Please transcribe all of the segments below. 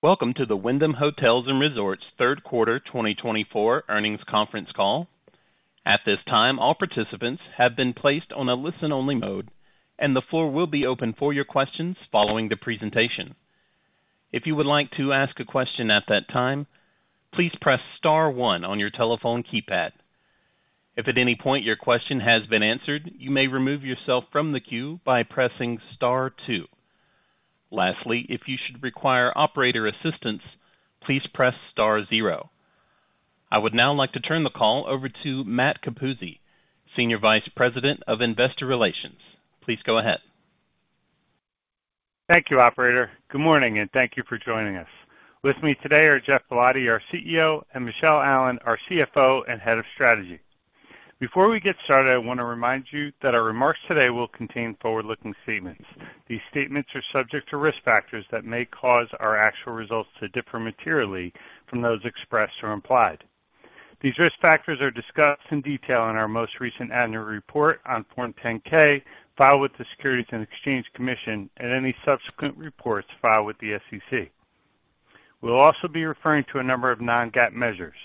Welcome to the Wyndham Hotels & Resorts third quarter twenty twenty-four earnings conference call. At this time, all participants have been placed on a listen-only mode, and the floor will be open for your questions following the presentation. If you would like to ask a question at that time, please press star one on your telephone keypad. If at any point your question has been answered, you may remove yourself from the queue by pressing star two. Lastly, if you should require operator assistance, please press star zero. I would now like to turn the call over to Matt Capuzzi, Senior Vice President of Investor Relations. Please go ahead. Thank you, operator. Good morning, and thank you for joining us. With me today are Geoff Ballotti, our CEO, and Michele Allen, our CFO and Head of Strategy. Before we get started, I want to remind you that our remarks today will contain forward-looking statements. These statements are subject to risk factors that may cause our actual results to differ materially from those expressed or implied. These risk factors are discussed in detail in our most recent annual report on Form 10-K, filed with the Securities and Exchange Commission and any subsequent reports filed with the SEC. We'll also be referring to a number of non-GAAP measures.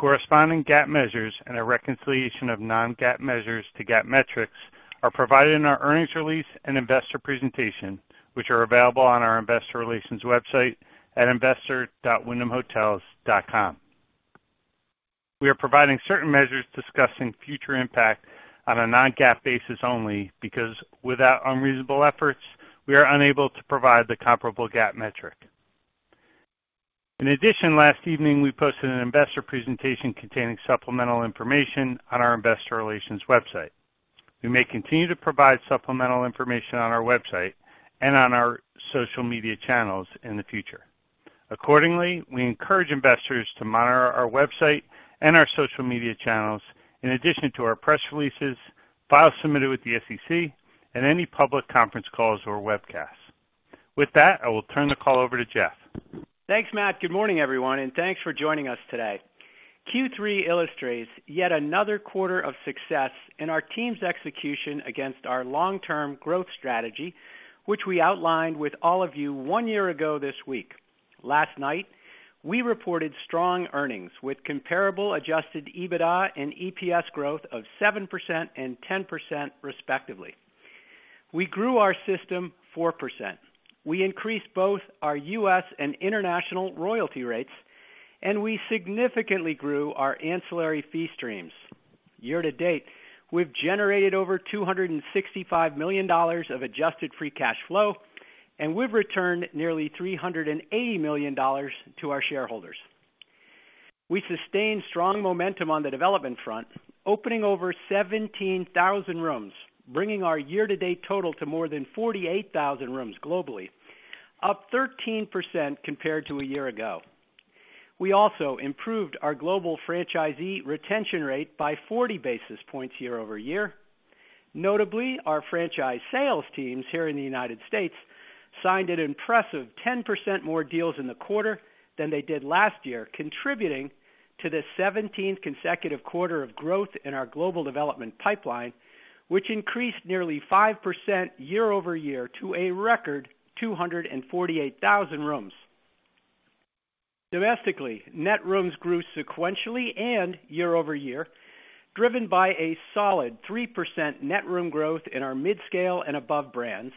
Corresponding GAAP measures and a reconciliation of non-GAAP measures to GAAP metrics are provided in our earnings release and investor presentation, which are available on our investor relations website at investor.wyndhamhotels.com. We are providing certain measures discussing future impact on a non-GAAP basis only because without unreasonable efforts, we are unable to provide the comparable GAAP metric. In addition, last evening, we posted an investor presentation containing supplemental information on our investor relations website. We may continue to provide supplemental information on our website and on our social media channels in the future. Accordingly, we encourage investors to monitor our website and our social media channels, in addition to our press releases, files submitted with the SEC, and any public conference calls or webcasts. With that, I will turn the call over to Geoff. Thanks, Matt. Good morning, everyone, and thanks for joining us today. Q3 illustrates yet another quarter of success in our team's execution against our long-term growth strategy, which we outlined with all of you one year ago this week. Last night, we reported strong earnings with comparable Adjusted EBITDA and EPS growth of 7% and 10%, respectively. We grew our system 4%. We increased both our U.S. and international royalty rates, and we significantly grew our ancillary fee streams. Year to date, we've generated over $265 million of Adjusted Free Cash Flow, and we've returned nearly $380 million to our shareholders. We sustained strong momentum on the development front, opening over 17,000 rooms, bringing our year-to-date total to more than 48,000 rooms globally, up 13% compared to a year ago. We also improved our global franchisee retention rate by forty basis points year over year. Notably, our franchise sales teams here in the United States signed an impressive 10% more deals in the quarter than they did last year, contributing to the seventeenth consecutive quarter of growth in our global development pipeline, which increased nearly 5% year over year to a record 248,000 rooms. Domestically, net rooms grew sequentially and year over year, driven by a solid 3% net room growth in our midscale and above brands,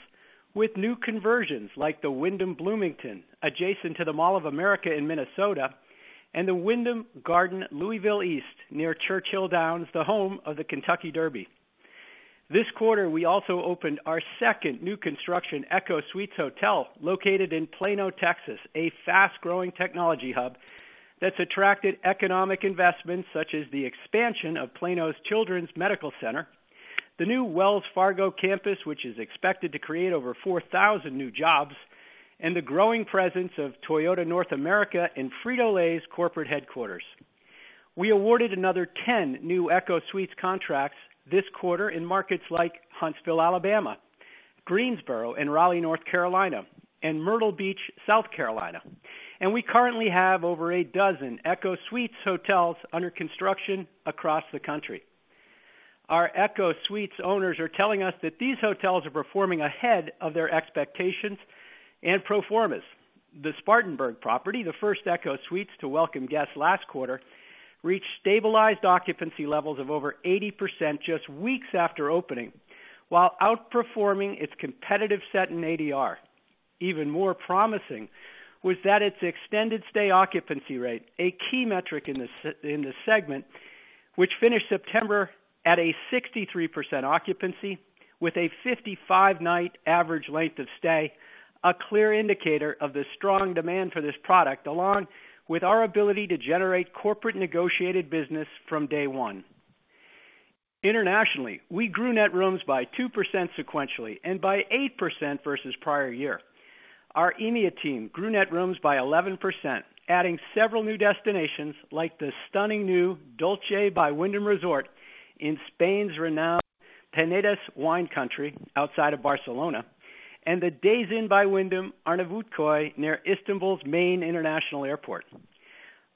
with new conversions like the Wyndham Bloomington, adjacent to the Mall of America in Minnesota, and the Wyndham Garden Louisville East, near Churchill Downs, the home of the Kentucky Derby. This quarter, we also opened our second new construction ECHO Suites hotel, located in Plano, Texas, a fast-growing technology hub that's attracted economic investments such as the expansion of Plano's Children's Medical Center, the new Wells Fargo campus, which is expected to create over four thousand new jobs, and the growing presence of Toyota North America and Frito-Lay's corporate headquarters. We awarded another 10 new ECHO Suites contracts this quarter in markets like Huntsville, Alabama, Greensboro and Raleigh, North Carolina, and Myrtle Beach, South Carolina. We currently have over a dozen ECHO Suites hotels under construction across the country. Our ECHO Suites owners are telling us that these hotels are performing ahead of their expectations and pro formas. The Spartanburg property, the first ECHO Suites to welcome guests last quarter, reached stabilized occupancy levels of over 80% just weeks after opening, while outperforming its competitive set in ADR. Even more promising was that its extended stay occupancy rate, a key metric in this segment, which finished September at a 63% occupancy with a 55-night average length of stay, a clear indicator of the strong demand for this product, along with our ability to generate corporate negotiated business from day one. Internationally, we grew net rooms by 2% sequentially and by 8% versus prior year. Our EMEA team grew net rooms by 11%, adding several new destinations like the stunning new Dolce by Wyndham Resort in Spain's renowned Penedès Wine Country outside of Barcelona, and the Days Inn by Wyndham Arnavutköy, near Istanbul's main international airport.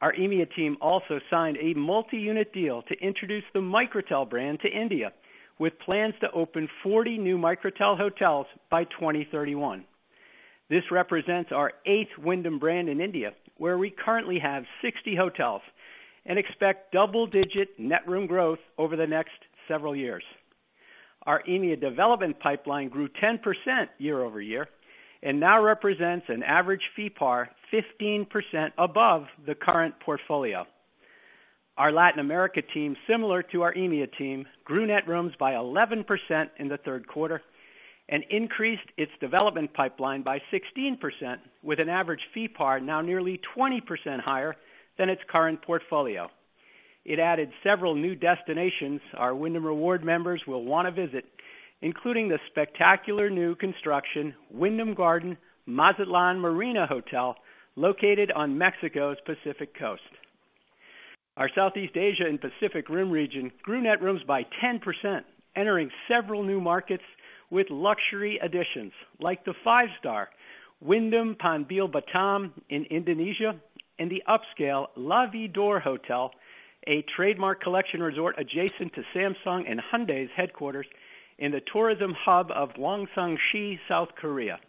Our EMEA team also signed a multi-unit deal to introduce the Microtel brand to India, with plans to open 40 new Microtel hotels by 2031. This represents our eighth Wyndham brand in India, where we currently have sixty hotels and expect double-digit net room growth over the next several years. Our EMEA development pipeline grew 10% year over year, and now represents an average FeePAR 15% above the current portfolio. Our Latin America team, similar to our EMEA team, grew net rooms by 11% in the third quarter and increased its development pipeline by 16%, with an average FeePAR now nearly 20% higher than its current portfolio. It added several new destinations our Wyndham Rewards members will want to visit, including the spectacular new construction, Wyndham Garden Mazatlán Marina Hotel, located on Mexico's Pacific Coast. Our Southeast Asia and Pacific Rim region grew net rooms by 10%, entering several new markets with luxury additions like the five-star Wyndham Panbil Batam in Indonesia, and the upscale La Vie D'Or Hotel, a Trademark Collection resort adjacent to Samsung and Hyundai's headquarters in the tourism hub of Songsan, South Korea.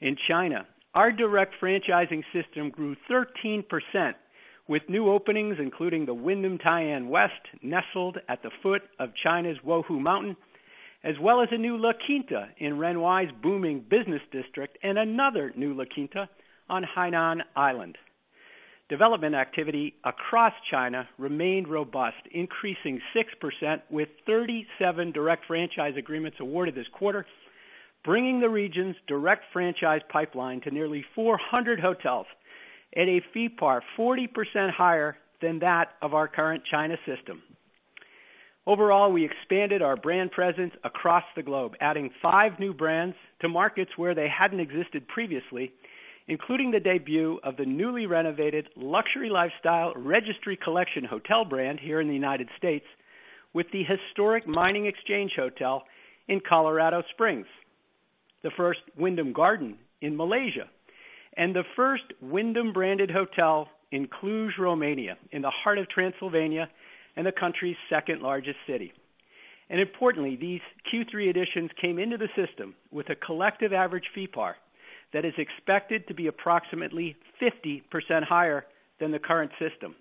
In China, our direct franchising system grew 13%, with new openings, including the Wyndham Tai'an West, nestled at the foot of China's Wuhu Mountain, as well as a new La Quinta in Renhuai's booming business district, and another new La Quinta on Hainan Island. Development activity across China remained robust, increasing 6% with 37 direct franchise agreements awarded this quarter, bringing the region's direct franchise pipeline to nearly 400 hotels at a FeePAR 40% higher than that of our current China system. Overall, we expanded our brand presence across the globe, adding five new brands to markets where they hadn't existed previously, including the debut of the newly renovated luxury lifestyle Registry Collection Hotels brand here in the United States, with the historic Mining Exchange Hotel in Colorado Springs, the first Wyndham Garden in Malaysia, and the first Wyndham branded hotel in Cluj-Napoca, Romania, in the heart of Transylvania and the country's second-largest city, and importantly, these Q3 additions came into the system with a collective average FeePAR that is expected to be approximately 50% higher than the current system.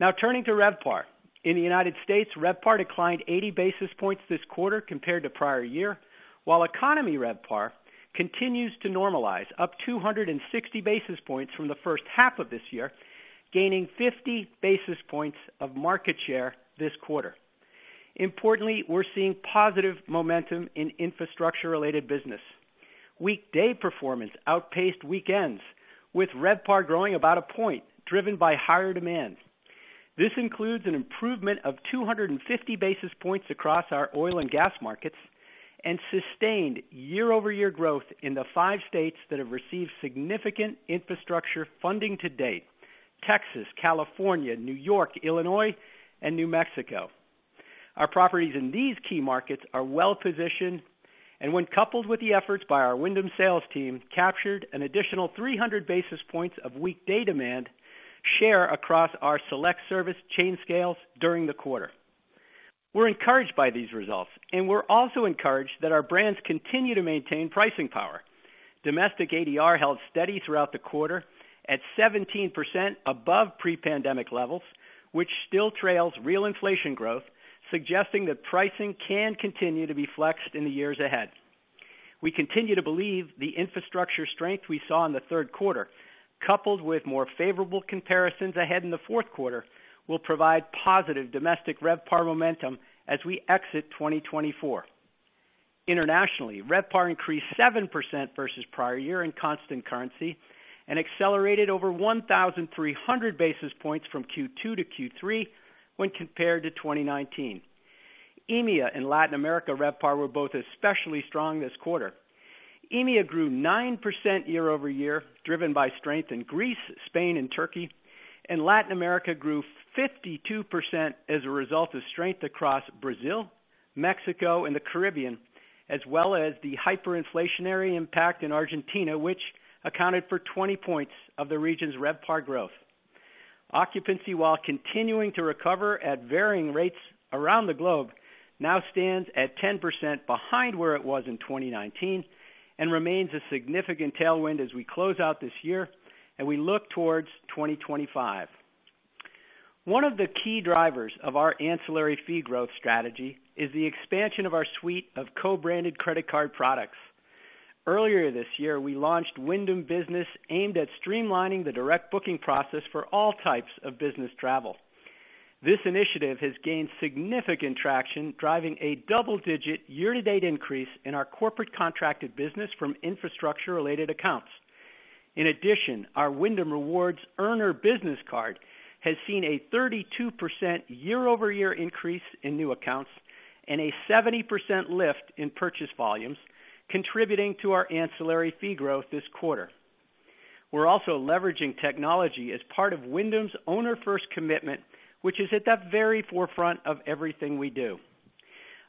Now, turning to RevPAR. In the United States, RevPAR declined 80 basis points this quarter compared to prior year, while economy RevPAR continues to normalize, up 260 basis points from the first half of this year, gaining 50 basis points of market share this quarter. Importantly, we're seeing positive momentum in infrastructure-related business. Weekday performance outpaced weekends, with RevPAR growing about a point, driven by higher demand. This includes an improvement of 250 basis points across our oil and gas markets, and sustained year-over-year growth in the five states that have received significant infrastructure funding to date: Texas, California, New York, Illinois, and New Mexico. Our properties in these key markets are well-positioned, and when coupled with the efforts by our Wyndham sales team, captured an additional 300 basis points of weekday demand share across our select service chain scales during the quarter. We're encouraged by these results, and we're also encouraged that our brands continue to maintain pricing power. Domestic ADR held steady throughout the quarter at 17% above pre-pandemic levels, which still trails real inflation growth, suggesting that pricing can continue to be flexed in the years ahead. We continue to believe the infrastructure strength we saw in the third quarter, coupled with more favorable comparisons ahead in the fourth quarter, will provide positive domestic RevPAR momentum as we exit 2024. Internationally, RevPAR increased 7% versus prior year in constant currency and accelerated over 1,300 basis points from Q2 to Q3 when compared to 2019. EMEA and Latin America RevPAR were both especially strong this quarter. EMEA grew 9% year over year, driven by strength in Greece, Spain, and Turkey, and Latin America grew 52% as a result of strength across Brazil, Mexico, and the Caribbean, as well as the hyperinflationary impact in Argentina, which accounted for 20 points of the region's RevPAR growth. Occupancy, while continuing to recover at varying rates around the globe, now stands at 10% behind where it was in 2019 and remains a significant tailwind as we close out this year and we look towards 2025. One of the key drivers of our ancillary fee growth strategy is the expansion of our suite of co-branded credit card products. Earlier this year, we launched Wyndham Business, aimed at streamlining the direct booking process for all types of business travel. This initiative has gained significant traction, driving a double-digit year-to-date increase in our corporate contracted business from infrastructure-related accounts. In addition, our Wyndham Rewards Earner Business Card has seen a 32% year-over-year increase in new accounts and a 70% lift in purchase volumes, contributing to our ancillary fee growth this quarter. We're also leveraging technology as part of Wyndham's owner-first commitment, which is at the very forefront of everything we do.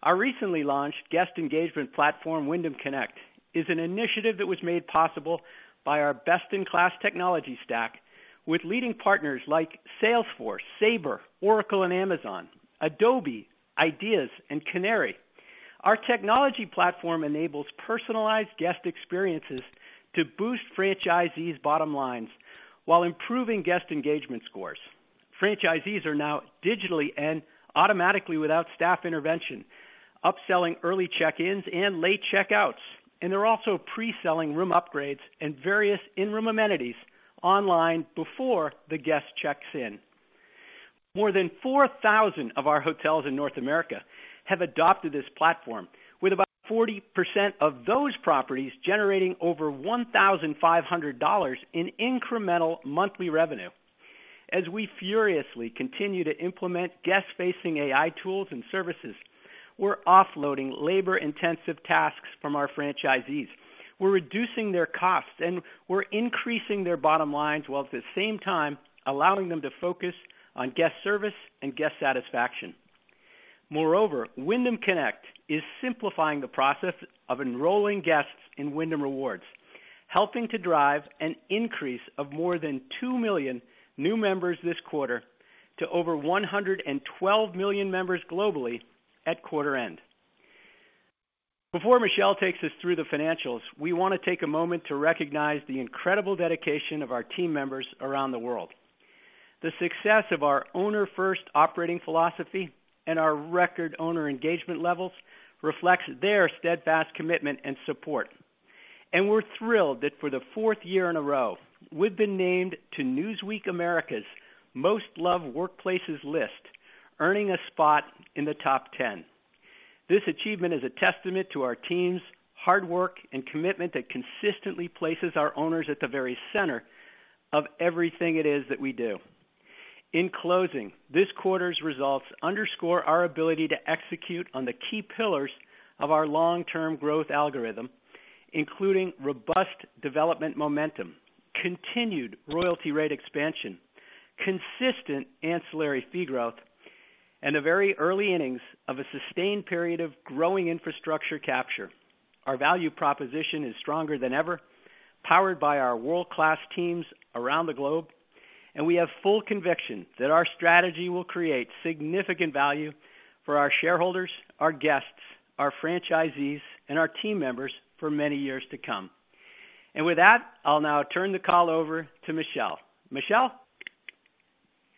Our recently launched guest engagement platform, Wyndham Connect, is an initiative that was made possible by our best-in-class technology stack, with leading partners like Salesforce, Sabre, Oracle, and Amazon, Adobe, IDeaS, and Canary. Our technology platform enables personalized guest experiences to boost franchisees' bottom lines while improving guest engagement scores. Franchisees are now digitally and automatically, without staff intervention, upselling early check-ins and late check-outs, and they're also pre-selling room upgrades and various in-room amenities online before the guest checks in. More than 4,000 of our hotels in North America have adopted this platform, with about 40% of those properties generating over $1,500 in incremental monthly revenue. As we furiously continue to implement guest-facing AI tools and services, we're offloading labor-intensive tasks from our franchisees. We're reducing their costs, and we're increasing their bottom lines, while at the same time allowing them to focus on guest service and guest satisfaction. Moreover, Wyndham Connect is simplifying the process of enrolling guests in Wyndham Rewards, helping to drive an increase of more than 2 million new members this quarter to over 112 million members globally at quarter end. Before Michele takes us through the financials, we want to take a moment to recognize the incredible dedication of our team members around the world. The success of our owner-first operating philosophy and our record owner engagement levels reflects their steadfast commitment and support. And we're thrilled that for the fourth year in a row, we've been named to Newsweek America's Most Loved Workplaces list, earning a spot in the top ten. This achievement is a testament to our team's hard work and commitment that consistently places our owners at the very center of everything it is that we do. In closing, this quarter's results underscore our ability to execute on the key pillars of our long-term growth algorithm, including robust development momentum, continued royalty rate expansion, consistent ancillary fee growth, and the very early innings of a sustained period of growing infrastructure capture. Our value proposition is stronger than ever, powered by our world-class teams around the globe, and we have full conviction that our strategy will create significant value for our shareholders, our guests, our franchisees, and our team members for many years to come. And with that, I'll now turn the call over to Michele. Michele?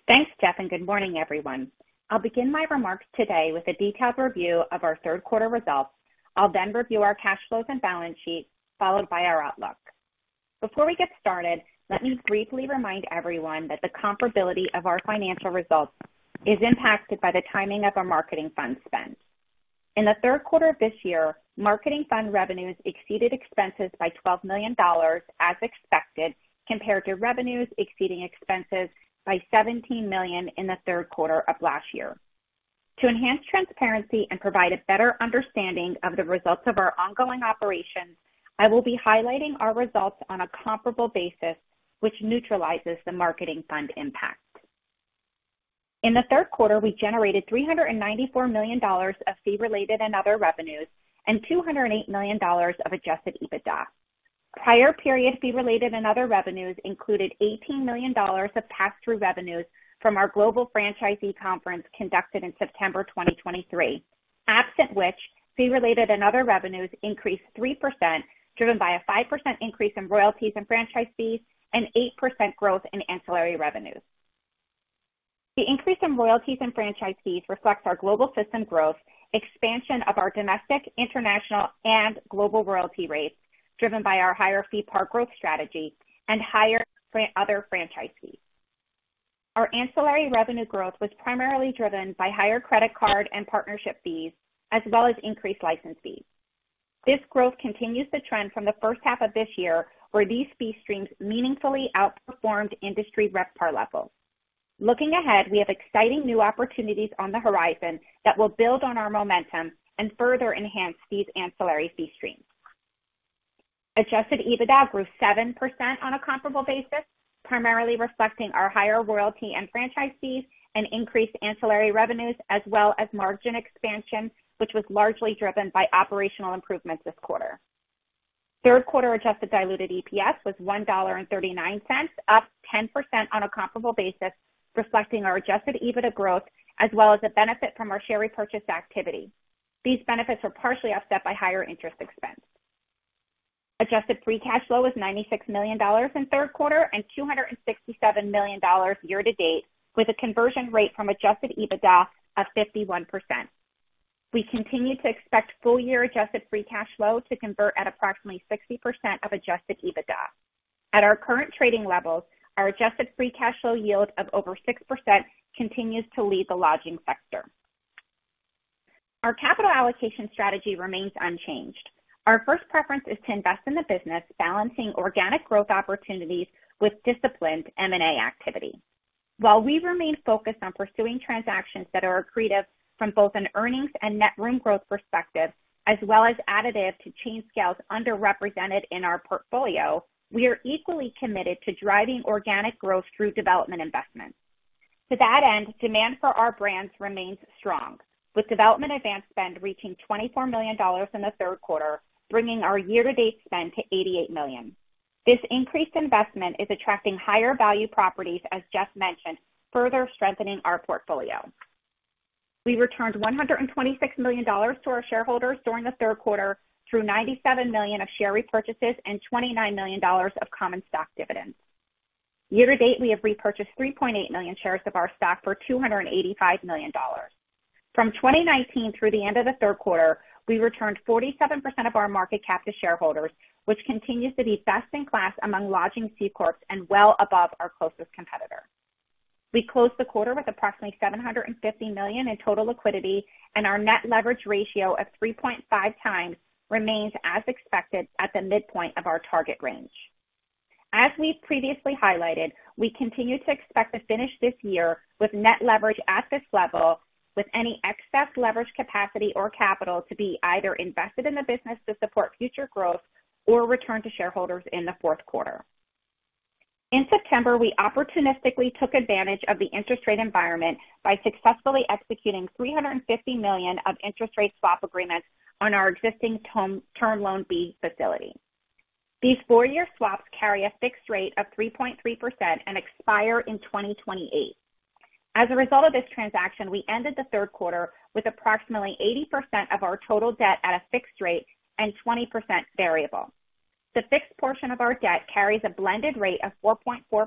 Thanks, Geoff, and good morning, everyone. I'll begin my remarks today with a detailed review of our third quarter results. I'll then review our cash flows and balance sheet, followed by our outlook. Before we get started, let me briefly remind everyone that the comparability of our financial results is impacted by the timing of our marketing fund spend. In the third quarter of this year, marketing fund revenues exceeded expenses by $12 million, as expected, compared to revenues exceeding expenses by $17 million in the third quarter of last year. To enhance transparency and provide a better understanding of the results of our ongoing operations, I will be highlighting our results on a comparable basis, which neutralizes the marketing fund impact. In the third quarter, we generated $394 million of fee-related and other revenues, and $208 million of adjusted EBITDA. Prior period fee-related and other revenues included $18 million of pass-through revenues from our Global Franchisee Conference conducted in September 2023. Absent which, fee-related and other revenues increased 3%, driven by a 5% increase in royalties and franchise fees, and 8% growth in ancillary revenues. The increase in royalties and franchise fees reflects our global system growth, expansion of our domestic, international, and global royalty rates, driven by our higher FeePAR growth strategy and higher other franchise fees. Our ancillary revenue growth was primarily driven by higher credit card and partnership fees, as well as increased license fees. This growth continues the trend from the first half of this year, where these fee streams meaningfully outperformed industry RevPAR levels. Looking ahead, we have exciting new opportunities on the horizon that will build on our momentum and further enhance these ancillary fee streams. Adjusted EBITDA grew 7% on a comparable basis, primarily reflecting our higher royalty and franchise fees and increased ancillary revenues, as well as margin expansion, which was largely driven by operational improvements this quarter. Third quarter adjusted diluted EPS was $1.39, up 10% on a comparable basis, reflecting our adjusted EBITDA growth, as well as a benefit from our share repurchase activity. These benefits were partially offset by higher interest expense. Adjusted Free Cash Flow was $96 million in third quarter, and $267 million year to date, with a conversion rate from adjusted EBITDA of 51%. We continue to expect full year Adjusted Free Cash Flow to convert at approximately 60% of adjusted EBITDA. At our current trading levels, our Adjusted Free Cash Flow yield of over 6% continues to lead the lodging sector. Our capital allocation strategy remains unchanged. Our first preference is to invest in the business, balancing organic growth opportunities with disciplined M&A activity. While we remain focused on pursuing transactions that are accretive from both an earnings and net room growth perspective, as well as additive to chain scales underrepresented in our portfolio, we are equally committed to driving organic growth through development investments. To that end, demand for our brands remains strong, with development advance spend reaching $24 million in the third quarter, bringing our year-to-date spend to $88 million. This increased investment is attracting higher value properties, as Geoff mentioned, further strengthening our portfolio. We returned $126 million to our shareholders during the third quarter through $97 million of share repurchases and $29 million of common stock dividends. Year-to-date, we have repurchased 3.8 million shares of our stock for $285 million. From 2019 through the end of the third quarter, we returned 47% of our market cap to shareholders, which continues to be best in class among lodging C corps and well above our closest competitor. We closed the quarter with approximately 750 million in total liquidity, and our net leverage ratio of 3.5 times remains as expected, at the midpoint of our target range. As we've previously highlighted, we continue to expect to finish this year with net leverage at this level, with any excess leverage, capacity, or capital to be either invested in the business to support future growth or returned to shareholders in the fourth quarter. In September, we opportunistically took advantage of the interest rate environment by successfully executing $350 million of interest rate swap agreements on our existing term, Term Loan B facility. These four-year swaps carry a fixed rate of 3.3% and expire in 2028. As a result of this transaction, we ended the third quarter with approximately 80% of our total debt at a fixed rate and 20% variable. The fixed portion of our debt carries a blended rate of 4.4%,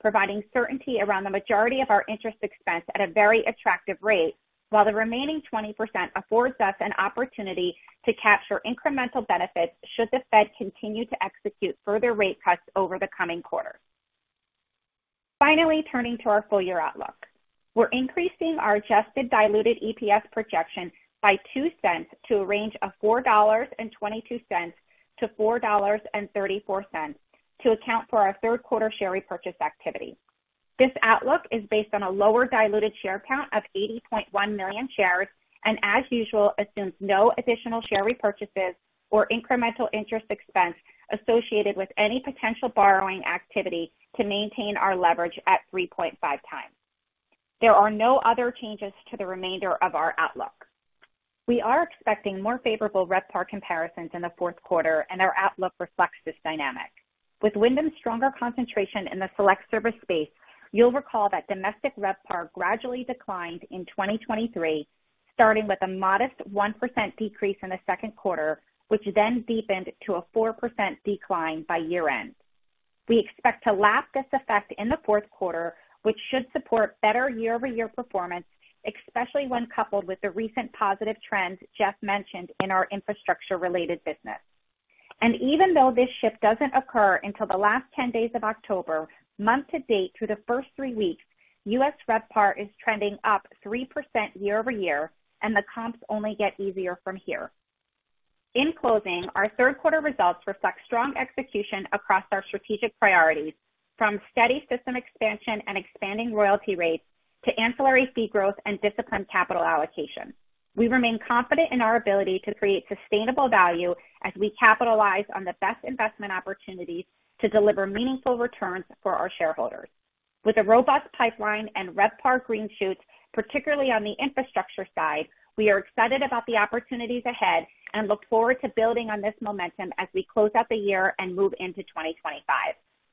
providing certainty around the majority of our interest expense at a very attractive rate, while the remaining 20% affords us an opportunity to capture incremental benefits, should the Fed continue to execute further rate cuts over the coming quarters. Finally, turning to our full year outlook. We're increasing our adjusted diluted EPS projection by $0.02 to a range of $4.22-$4.34 to account for our third quarter share repurchase activity. This outlook is based on a lower diluted share count of 80.1 million shares, and as usual, assumes no additional share repurchases or incremental interest expense associated with any potential borrowing activity to maintain our leverage at 3.5 times. There are no other changes to the remainder of our outlook. We are expecting more favorable RevPAR comparisons in the fourth quarter, and our outlook reflects this dynamic. With Wyndham's stronger concentration in the select service space, you'll recall that domestic RevPAR gradually declined in 2023, starting with a modest 1% decrease in the second quarter, which then deepened to a 4% decline by year-end. We expect to lap this effect in the fourth quarter, which should support better year-over-year performance, especially when coupled with the recent positive trends Geoff mentioned in our infrastructure-related business. And even though this shift doesn't occur until the last 10 days of October, month to date, through the first three weeks, U.S. RevPAR is trending up 3% year over year, and the comps only get easier from here. In closing, our third quarter results reflect strong execution across our strategic priorities, from steady system expansion and expanding royalty rates to ancillary fee growth and disciplined capital allocation. We remain confident in our ability to create sustainable value as we capitalize on the best investment opportunities to deliver meaningful returns for our shareholders. With a robust pipeline and RevPAR green shoots, particularly on the infrastructure side, we are excited about the opportunities ahead and look forward to building on this momentum as we close out the year and move into 2025.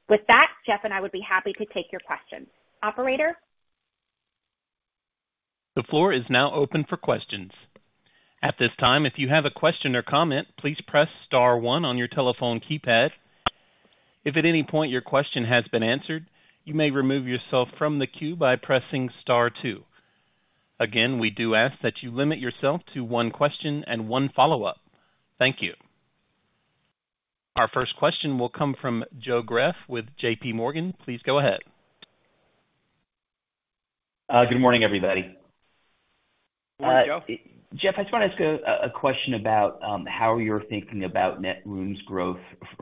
With that, Geoff and I would be happy to take your questions. Operator? The floor is now open for questions. At this time, if you have a question or comment, please press star one on your telephone keypad. If at any point your question has been answered, you may remove yourself from the queue by pressing star two. Again, we do ask that you limit yourself to one question and one follow-up. Thank you. Our first question will come from Joe Greff with JP Morgan. Please go ahead. Good morning, everybody. Good morning, Joe. Geoff, I just want to ask a question about how you're thinking about net room growth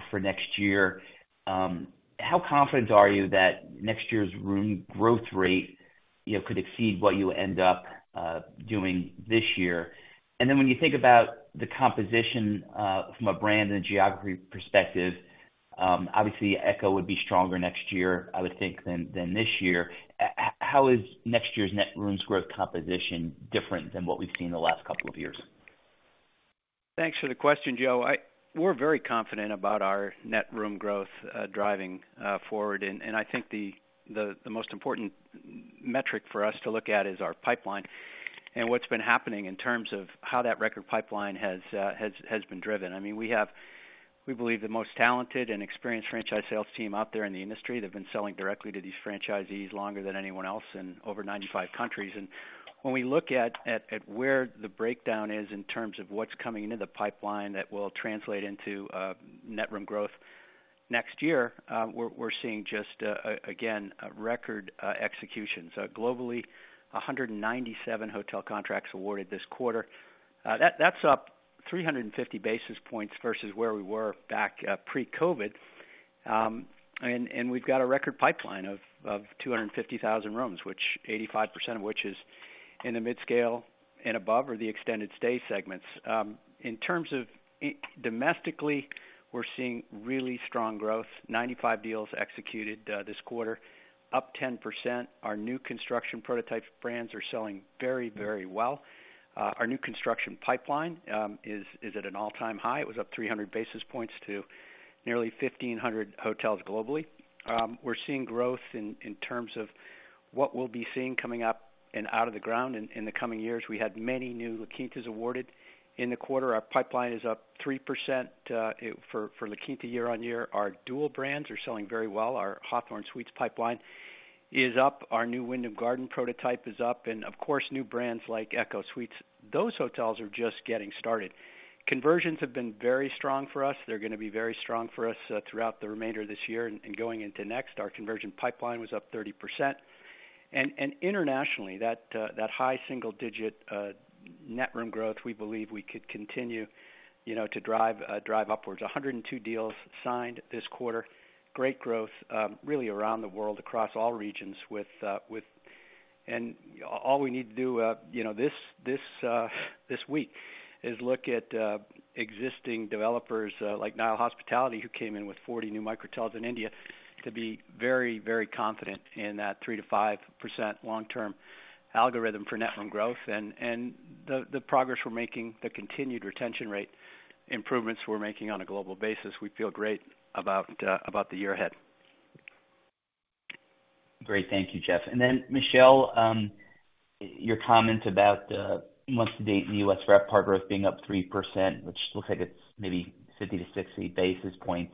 for next year. How confident are you that next year's room growth rate, you know, could exceed what you end up doing this year? And then when you think about the composition from a brand and geography perspective, obviously, Echo would be stronger next year, I would think, than this year. How is next year's net room growth composition different than what we've seen the last couple of years? Thanks for the question, Joe. I-- We're very confident about our net room growth driving forward, and I think the most important metric for us to look at is our pipeline and what's been happening in terms of how that record pipeline has been driven. I mean, we have, we believe, the most talented and experienced franchise sales team out there in the industry. They've been selling directly to these franchisees longer than anyone else in over ninety-five countries. And when we look at where the breakdown is in terms of what's coming into the pipeline that will translate into net room growth next year, we're seeing just again a record execution. So globally, a hundred and ninety-seven hotel contracts awarded this quarter. That's up 350 basis points versus where we were back pre-COVID. And we've got a record pipeline of 250,000 rooms, which 85% of which is in the mid-scale and above, or the extended stay segments. In terms of domestically, we're seeing really strong growth. 95 deals executed this quarter, up 10%. Our new construction prototype brands are selling very, very well. Our new construction pipeline is at an all-time high. It was up 300 basis points to nearly 1,500 hotels globally. We're seeing growth in terms of what we'll be seeing coming up and out of the ground in the coming years. We had many new La Quintas awarded in the quarter. Our pipeline is up 3% for La Quinta year on year. Our dual brands are selling very well. Our Hawthorn Suites pipeline is up, our new Wyndham Garden prototype is up, and of course, new brands like ECHO Suites, those hotels are just getting started. Conversions have been very strong for us. They're going to be very strong for us throughout the remainder of this year and going into next. Our conversion pipeline was up 30%. Internationally, that high single-digit net room growth, we believe we could continue, you know, to drive upwards. 102 deals signed this quarter. Great growth really around the world, across all regions with... And all we need to do, you know, this week, is look at existing developers like Nile Hospitality, who came in with 40 new Microtel hotels in India, to be very, very confident in that 3%-5% long-term algorithm for net room growth. And the progress we're making, the continued retention rate improvements we're making on a global basis, we feel great about the year ahead. Great. Thank you, Geoff. And then, Michele, your comment about the month-to-date in the U.S. RevPAR growth being up 3%, which looks like it's maybe fifty to sixty basis points,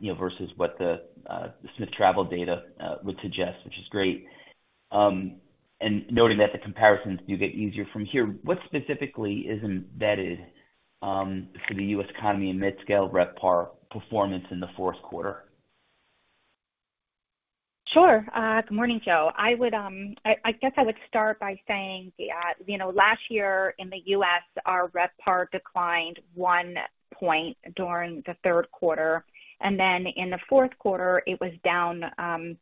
you know, versus what the Smith Travel data would suggest, which is great. And noting that the comparisons do get easier from here, what specifically is embedded for the U.S. economy and mid-scale RevPAR performance in the fourth quarter? Sure. Good morning, Joe. I guess I would start by saying that, you know, last year in the U.S., our RevPAR declined one point during the third quarter, and then in the fourth quarter, it was down 4%.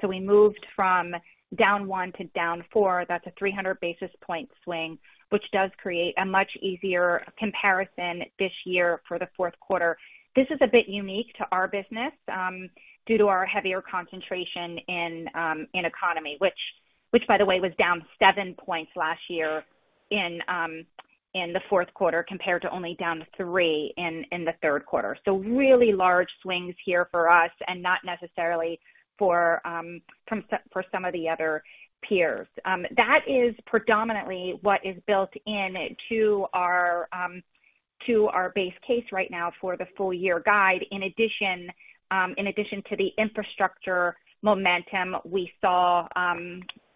So we moved from down one to down four. That's a 300 basis point swing, which does create a much easier comparison this year for the fourth quarter. This is a bit unique to our business due to our heavier concentration in economy, which, by the way, was down seven points last year in the fourth quarter, compared to only down three in the third quarter. So really large swings here for us and not necessarily for some of the other peers. That is predominantly what is built in to our, to our base case right now for the full year guide. In addition, in addition to the infrastructure momentum, we saw,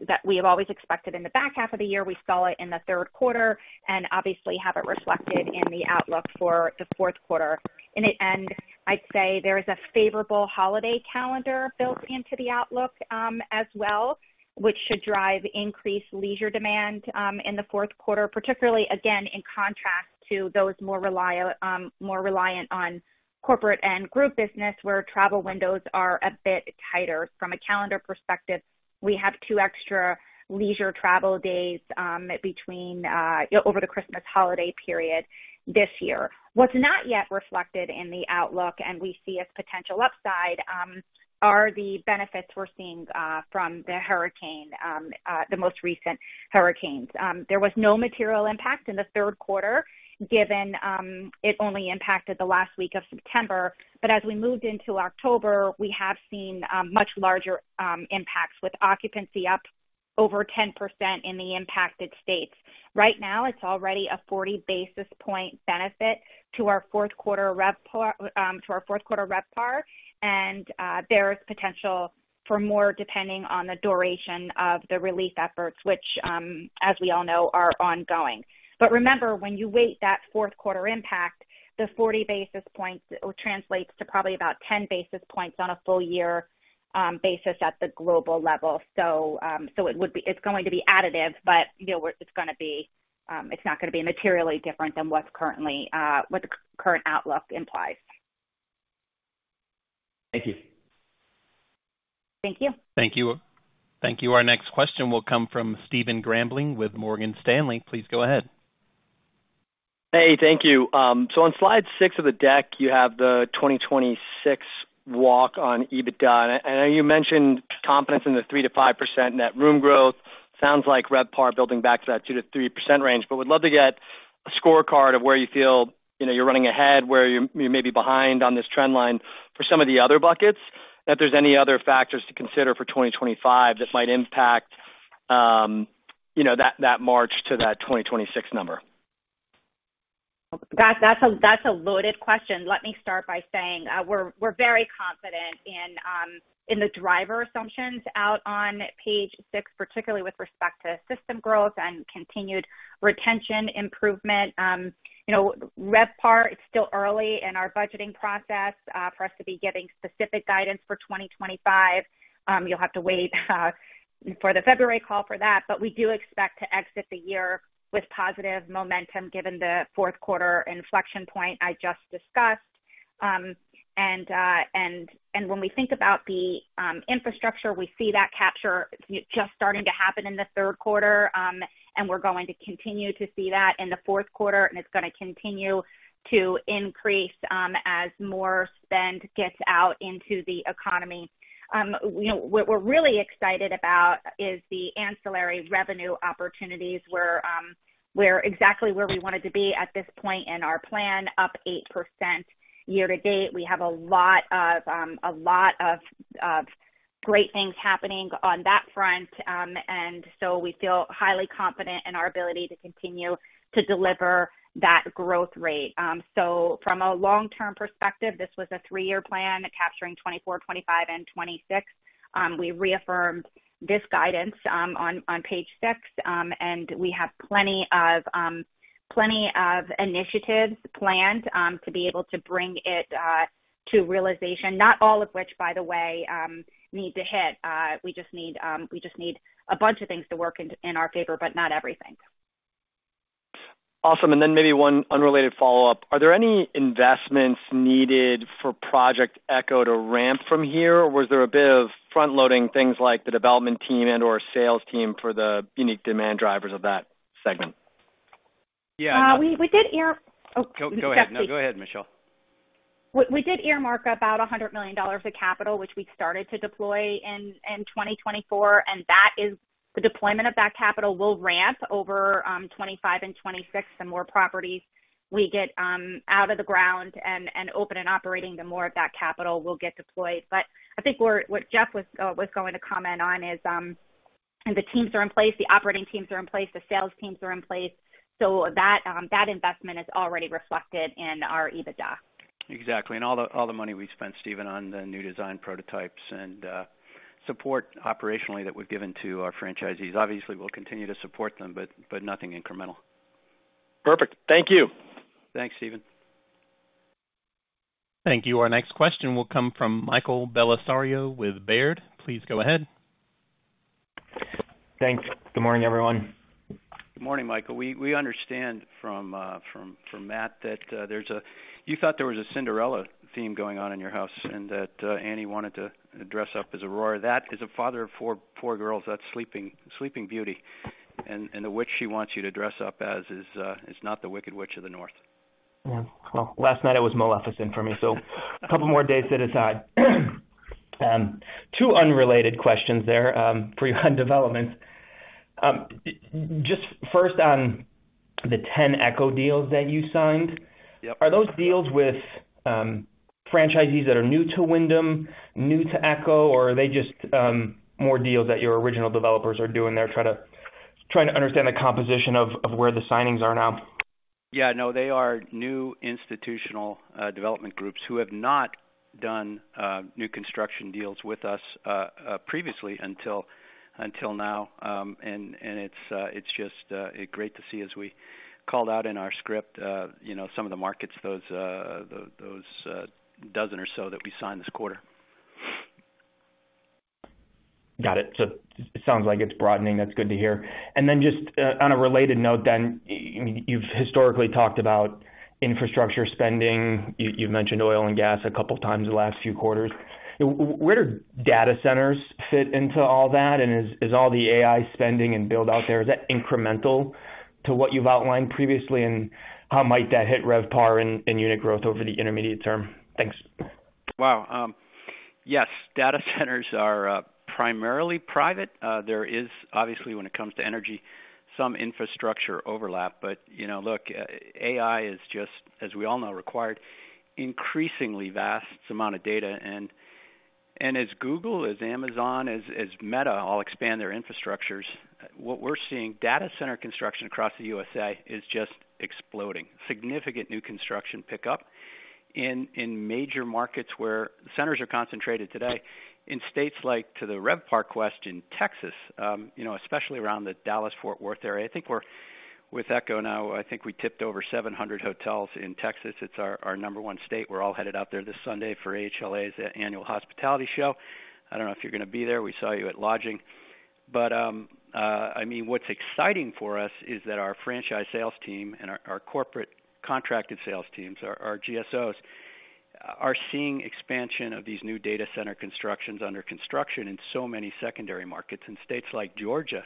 that we have always expected in the back half of the year. We saw it in the third quarter and obviously have it reflected in the outlook for the fourth quarter. In the end, I'd say there is a favorable holiday calendar built into the outlook, as well, which should drive increased leisure demand, in the fourth quarter, particularly, again, in contrast to those more reliant on corporate and group business, where travel windows are a bit tighter. From a calendar perspective, we have two extra leisure travel days, between, you know, over the Christmas holiday period this year. What's not yet reflected in the outlook, and we see as potential upside, are the benefits we're seeing from the hurricane, the most recent hurricanes. There was no material impact in the third quarter, given it only impacted the last week of September. But as we moved into October, we have seen much larger impacts, with occupancy up over 10% in the impacted states. Right now, it's already a forty basis points benefit to our fourth quarter RevPAR, and there is potential for more, depending on the duration of the relief efforts, which, as we all know, are ongoing. But remember, when you weigh that fourth quarter impact, the forty basis points translates to probably about ten basis points on a full year basis at the global level. So, it's going to be additive, but, you know, it's gonna be. It's not gonna be materially different than what's currently, what the current outlook implies. Thank you. Thank you. Thank you. Thank you, our next question will come from Stephen Grambling with Morgan Stanley. Please go ahead. Hey, thank you. So on slide six of the deck, you have the 2026 walk on EBITDA, and I know you mentioned confidence in the 3%-5% net room growth. Sounds like RevPAR building back to that 2-3% range, but would love to get a scorecard of where you feel, you know, you're running ahead, where you may be behind on this trend line for some of the other buckets, and if there's any other factors to consider for 2025 that might impact, you know, that march to that 2026 number. That's a loaded question. Let me start by saying, we're very confident in the driver assumptions out on page six, particularly with respect to system growth and continued retention improvement. You know, RevPAR, it's still early in our budgeting process for us to be giving specific guidance for 2025. You'll have to wait for the February call for that, but we do expect to exit the year with positive momentum, given the fourth quarter inflection point I just discussed. And when we think about the infrastructure, we see that capture just starting to happen in the third quarter, and we're going to continue to see that in the fourth quarter, and it's gonna continue to increase as more spend gets out into the economy. You know, what we're really excited about is the ancillary revenue opportunities, where we're exactly where we wanted to be at this point in our plan, up 8% year to date. We have a lot of great things happening on that front, and so we feel highly confident in our ability to continue to deliver that growth rate. So from a long-term perspective, this was a three-year plan, capturing 2024, 2025, and 2026. We reaffirmed this guidance on page 6, and we have plenty of initiatives planned to be able to bring it to realization, not all of which, by the way, need to hit. We just need a bunch of things to work in our favor, but not everything. Awesome. And then maybe one unrelated follow-up. Are there any investments needed for Project ECHO to ramp from here, or was there a bit of front-loading things like the development team and/or sales team for the unique demand drivers of that segment? Yeah. Oh, Geoff, please. Go ahead. No, go ahead, Michele. We did earmark about $100 million of capital, which we started to deploy in 2024, and that is, the deployment of that capital will ramp over 2025 and 2026. The more properties we get out of the ground and open and operating, the more of that capital will get deployed. But I think what Geoff was going to comment on is, the teams are in place, the operating teams are in place, the sales teams are in place, so that that investment is already reflected in our EBITDA. Exactly. And all the money we spent, Stephen, on the new design prototypes and support operationally that we've given to our franchisees. Obviously, we'll continue to support them, but nothing incremental. Perfect. Thank you. Thanks, Stephen. Thank you. Our next question will come from Michael Bellisario with Baird. Please go ahead. Thanks. Good morning, everyone. Good morning, Michael. We understand from Matt that you thought there was a Cinderella theme going on in your house, and that Annie wanted to dress up as Aurora. That, as a father of four girls, that's Sleeping Beauty, and the witch she wants you to dress up as is not the Wicked Witch of the North. Yeah. Well, last night it was Maleficent for me, so a couple more days to decide. Two unrelated questions there, for you on developments. Just first on the 10 Echo deals that you signed- Yep. Are those deals with franchisees that are new to Wyndham, new to Echo, or are they just more deals that your original developers are doing there? Trying to understand the composition of where the signings are now. Yeah, no, they are new institutional development groups who have not done new construction deals with us previously until now. And it's just great to see, as we called out in our script, you know, some of the markets, those dozen or so that we signed this quarter. Got it. So it sounds like it's broadening. That's good to hear. And then just on a related note then, you've historically talked about infrastructure spending. You've mentioned oil and gas a couple of times in the last few quarters. Where do data centers fit into all that? And is all the AI spending and build out there, is that incremental to what you've outlined previously? And how might that hit RevPAR and unit growth over the intermediate term? Thanks. Wow! Yes, data centers are primarily private. There is obviously, when it comes to energy, some infrastructure overlap, but, you know, look, AI is just, as we all know, required increasingly vast amounts of data. And as Google, as Amazon, as Meta all expand their infrastructures, what we're seeing, data center construction across the USA is just exploding. Significant new construction pickup in major markets where centers are concentrated today, in states like, to the RevPAR question, Texas, you know, especially around the Dallas-Fort Worth area. I think we're with Echo now. I think we tipped over seven hundred hotels in Texas. It's our number one state. We're all headed out there this Sunday for AHLA's Annual Hospitality Show. I don't know if you're going to be there. We saw you at lodging. But, I mean, what's exciting for us is that our franchise sales team and our corporate contracted sales teams, our GSOs, are seeing expansion of these new data center constructions under construction in so many secondary markets. In states like Georgia,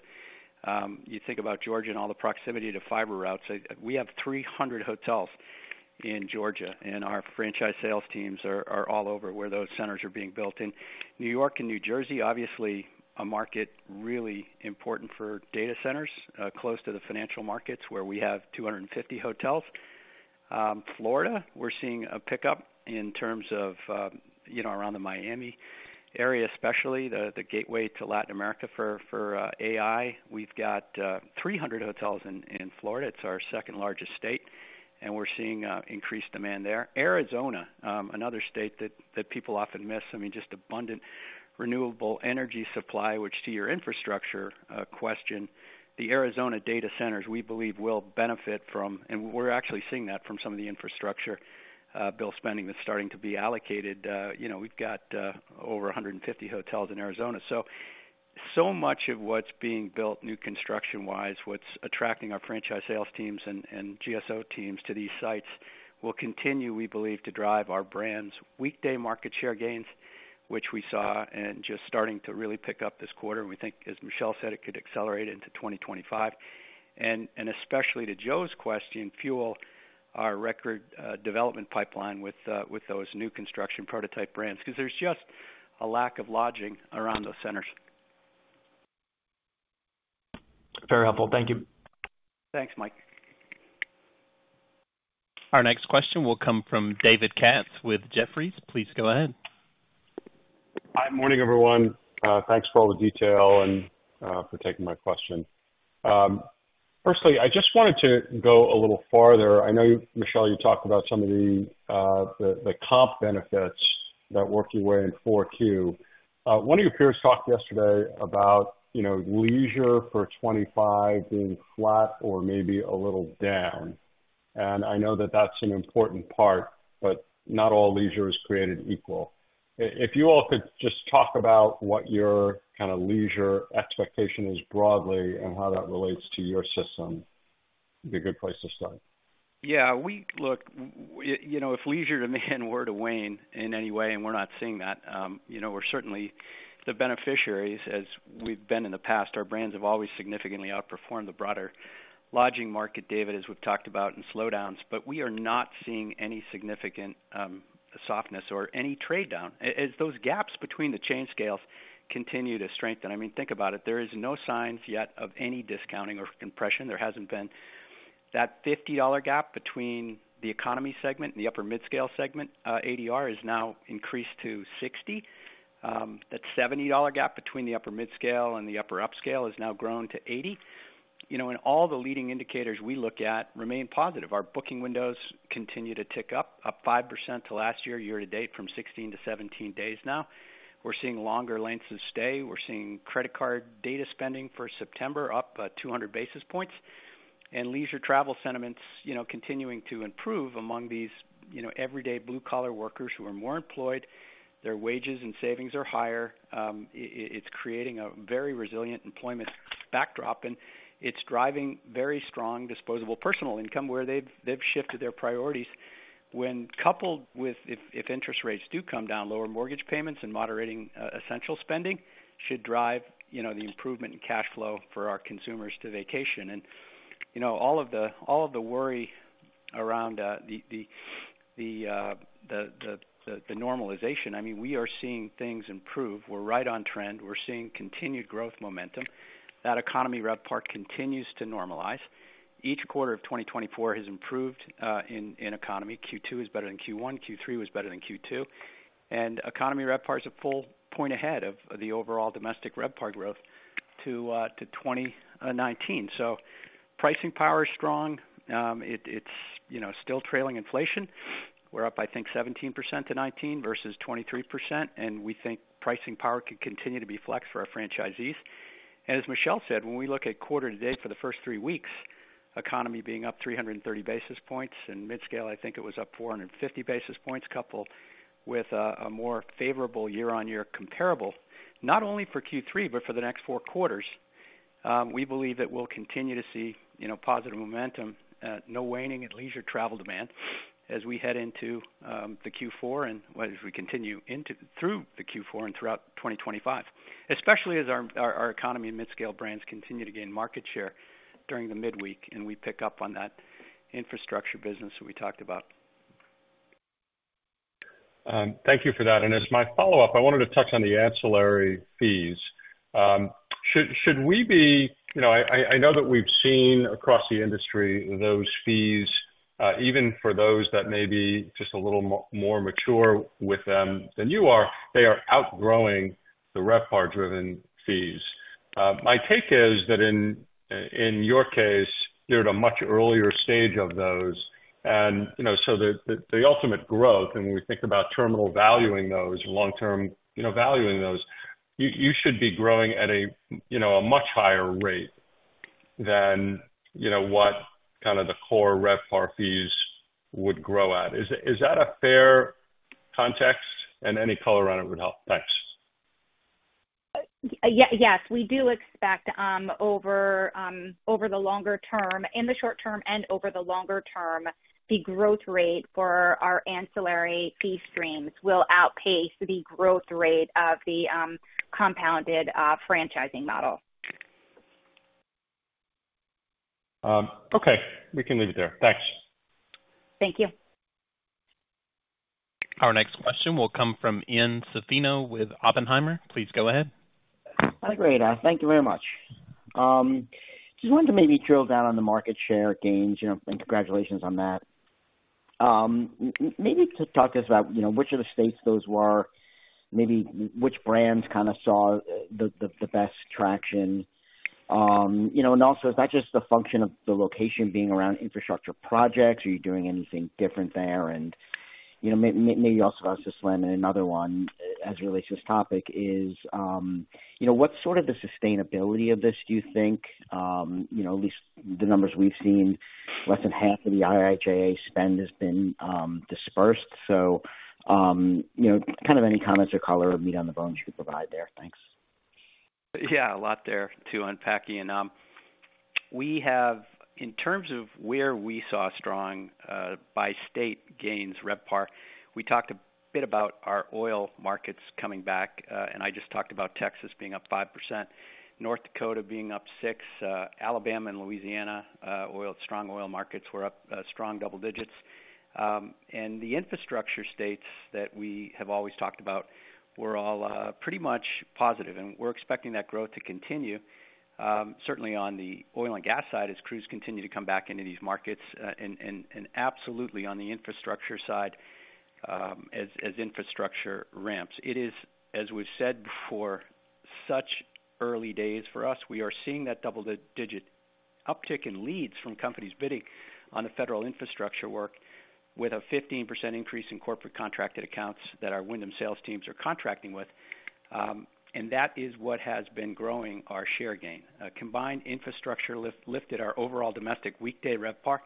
you think about Georgia and all the proximity to fiber routes, we have 300 hotels in Georgia, and our franchise sales teams are all over where those centers are being built. In New York and New Jersey, obviously, a market really important for data centers, close to the financial markets, where we have 250 hotels. Florida, we're seeing a pickup in terms of, you know, around the Miami area, especially the gateway to Latin America for AI. We've got 300 hotels in Florida. It's our second largest state, and we're seeing increased demand there. Arizona, another state that people often miss. I mean, just abundant renewable energy supply, which to your infrastructure question, the Arizona data centers, we believe, will benefit from, and we're actually seeing that from some of the infrastructure bill spending that's starting to be allocated. You know, we've got over a hundred and fifty hotels in Arizona. So much of what's being built, new construction-wise, what's attracting our franchise sales teams and GSO teams to these sites, will continue, we believe, to drive our brands' weekday market share gains, which we saw and just starting to really pick up this quarter. We think, as Michele said, it could accelerate into twenty twenty-five, and, and especially to Joe's question, fuel our record development pipeline with, with those new construction prototype brands, because there's just a lack of lodging around those centers. Very helpful. Thank you. Thanks, Mike. Our next question will come from David Katz with Jefferies. Please go ahead. Hi, morning, everyone. Thanks for all the detail and for taking my question. Firstly, I just wanted to go a little farther. I know, Michele, you talked about some of the comp benefits that worked your way in 4Q. One of your peers talked yesterday about, you know, leisure for 2025 being flat or maybe a little down, and I know that that's an important part, but not all leisure is created equal. If you all could just talk about what your kind of leisure expectation is broadly and how that relates to your system, it'd be a good place to start. Yeah, look, you know, if leisure demand were to wane in any way, and we're not seeing that, you know, we're certainly the beneficiaries, as we've been in the past. Our brands have always significantly outperformed the broader lodging market, David, as we've talked about in slowdowns. But we are not seeing any significant softness or any trade down. As those gaps between the chain scales continue to strengthen, I mean, think about it, there is no signs yet of any discounting or compression. There hasn't been. That $50 gap between the economy segment and the upper mid-scale segment, ADR, is now increased to $60. That $70 gap between the upper midscale and the upper upscale has now grown to $80. You know, and all the leading indicators we look at remain positive. Our booking windows continue to tick up 5% to last year year to date, from 16 to 17 days now. We're seeing longer lengths of stay. We're seeing credit card data spending for September up 200 basis points, and leisure travel sentiments, you know, continuing to improve among these, you know, everyday blue-collar workers who are more employed. Their wages and savings are higher. It's creating a very resilient employment backdrop, and it's driving very strong disposable personal income, where they've shifted their priorities. When coupled with if interest rates do come down, lower mortgage payments and moderating essential spending should drive, you know, the improvement in cash flow for our consumers to vacation. You know, all of the worry around the normalization, I mean, we are seeing things improve. We're right on trend. We're seeing continued growth momentum. That economy RevPAR continues to normalize. Each quarter of twenty twenty-four has improved in economy. Q2 is better than Q1, Q3 was better than Q2, and economy RevPAR is a full point ahead of the overall domestic RevPAR growth to twenty nineteen. So pricing power is strong. It's, you know, still trailing inflation. We're up, I think, 17%-19% versus 23%, and we think pricing power could continue to be flexed for our franchisees. And as Michele said, when we look at quarter to date for the first three weeks, economy being up 330 basis points, and midscale, I think it was up 450 basis points, coupled with a more favorable year-on-year comparable, not only for Q3, but for the next four quarters, we believe that we'll continue to see, you know, positive momentum, no waning at leisure travel demand as we head into the Q4 and as we continue through the Q4 and throughout 2025, especially as our economy and midscale brands continue to gain market share during the midweek, and we pick up on that infrastructure business that we talked about. Thank you for that. And as my follow-up, I wanted to touch on the ancillary fees. Should we be... You know, I know that we've seen across the industry, those fees, even for those that may be just a little more mature with them than you are, they are outgrowing the RevPAR-driven fees. My take is that in your case, you're at a much earlier stage of those and, you know, so the ultimate growth, and we think about terminal valuing those, long-term, you know, valuing those, you should be growing at a you know a much higher rate than, you know, what kind of the core RevPAR fees would grow at. Is that a fair context? And any color on it would help. Thanks. Yes, we do expect, over the longer term, in the short term and over the longer term, the growth rate for our ancillary fee streams will outpace the growth rate of the compounded franchising model. Okay. We can leave it there. Thanks. Thank you. Our next question will come from Ian Zaffino with Oppenheimer. Please go ahead. Hi, great. Thank you very much. Just wanted to maybe drill down on the market share gains, you know, and congratulations on that. Maybe talk to us about, you know, which of the states those were, maybe which brands kind of saw the best traction. You know, and also, is that just a function of the location being around infrastructure projects? Are you doing anything different there? And, you know, maybe also ask just another one, as it relates to this topic, is, you know, what's sort of the sustainability of this, do you think? You know, at least the numbers we've seen, less than half of the IIJA spend has been dispersed. So you know, kind of any comments or color or meat on the bones you could provide there? Thanks. Yeah, a lot there to unpack, Ian. We have, in terms of where we saw strong by state gains RevPAR, we talked a bit about our oil markets coming back, and I just talked about Texas being up 5%, North Dakota being up 6%, Alabama and Louisiana, strong oil markets were up strong double digits. And the infrastructure states that we have always talked about were all pretty much positive, and we're expecting that growth to continue, certainly on the oil and gas side, as crews continue to come back into these markets, and absolutely on the infrastructure side, as infrastructure ramps. It is, as we've said before, such early days for us. We are seeing that double-digit uptick in leads from companies bidding on the federal infrastructure work with a 15% increase in corporate contracted accounts that our Wyndham sales teams are contracting with. And that is what has been growing our share gain. A combined infrastructure lift lifted our overall domestic weekday RevPAR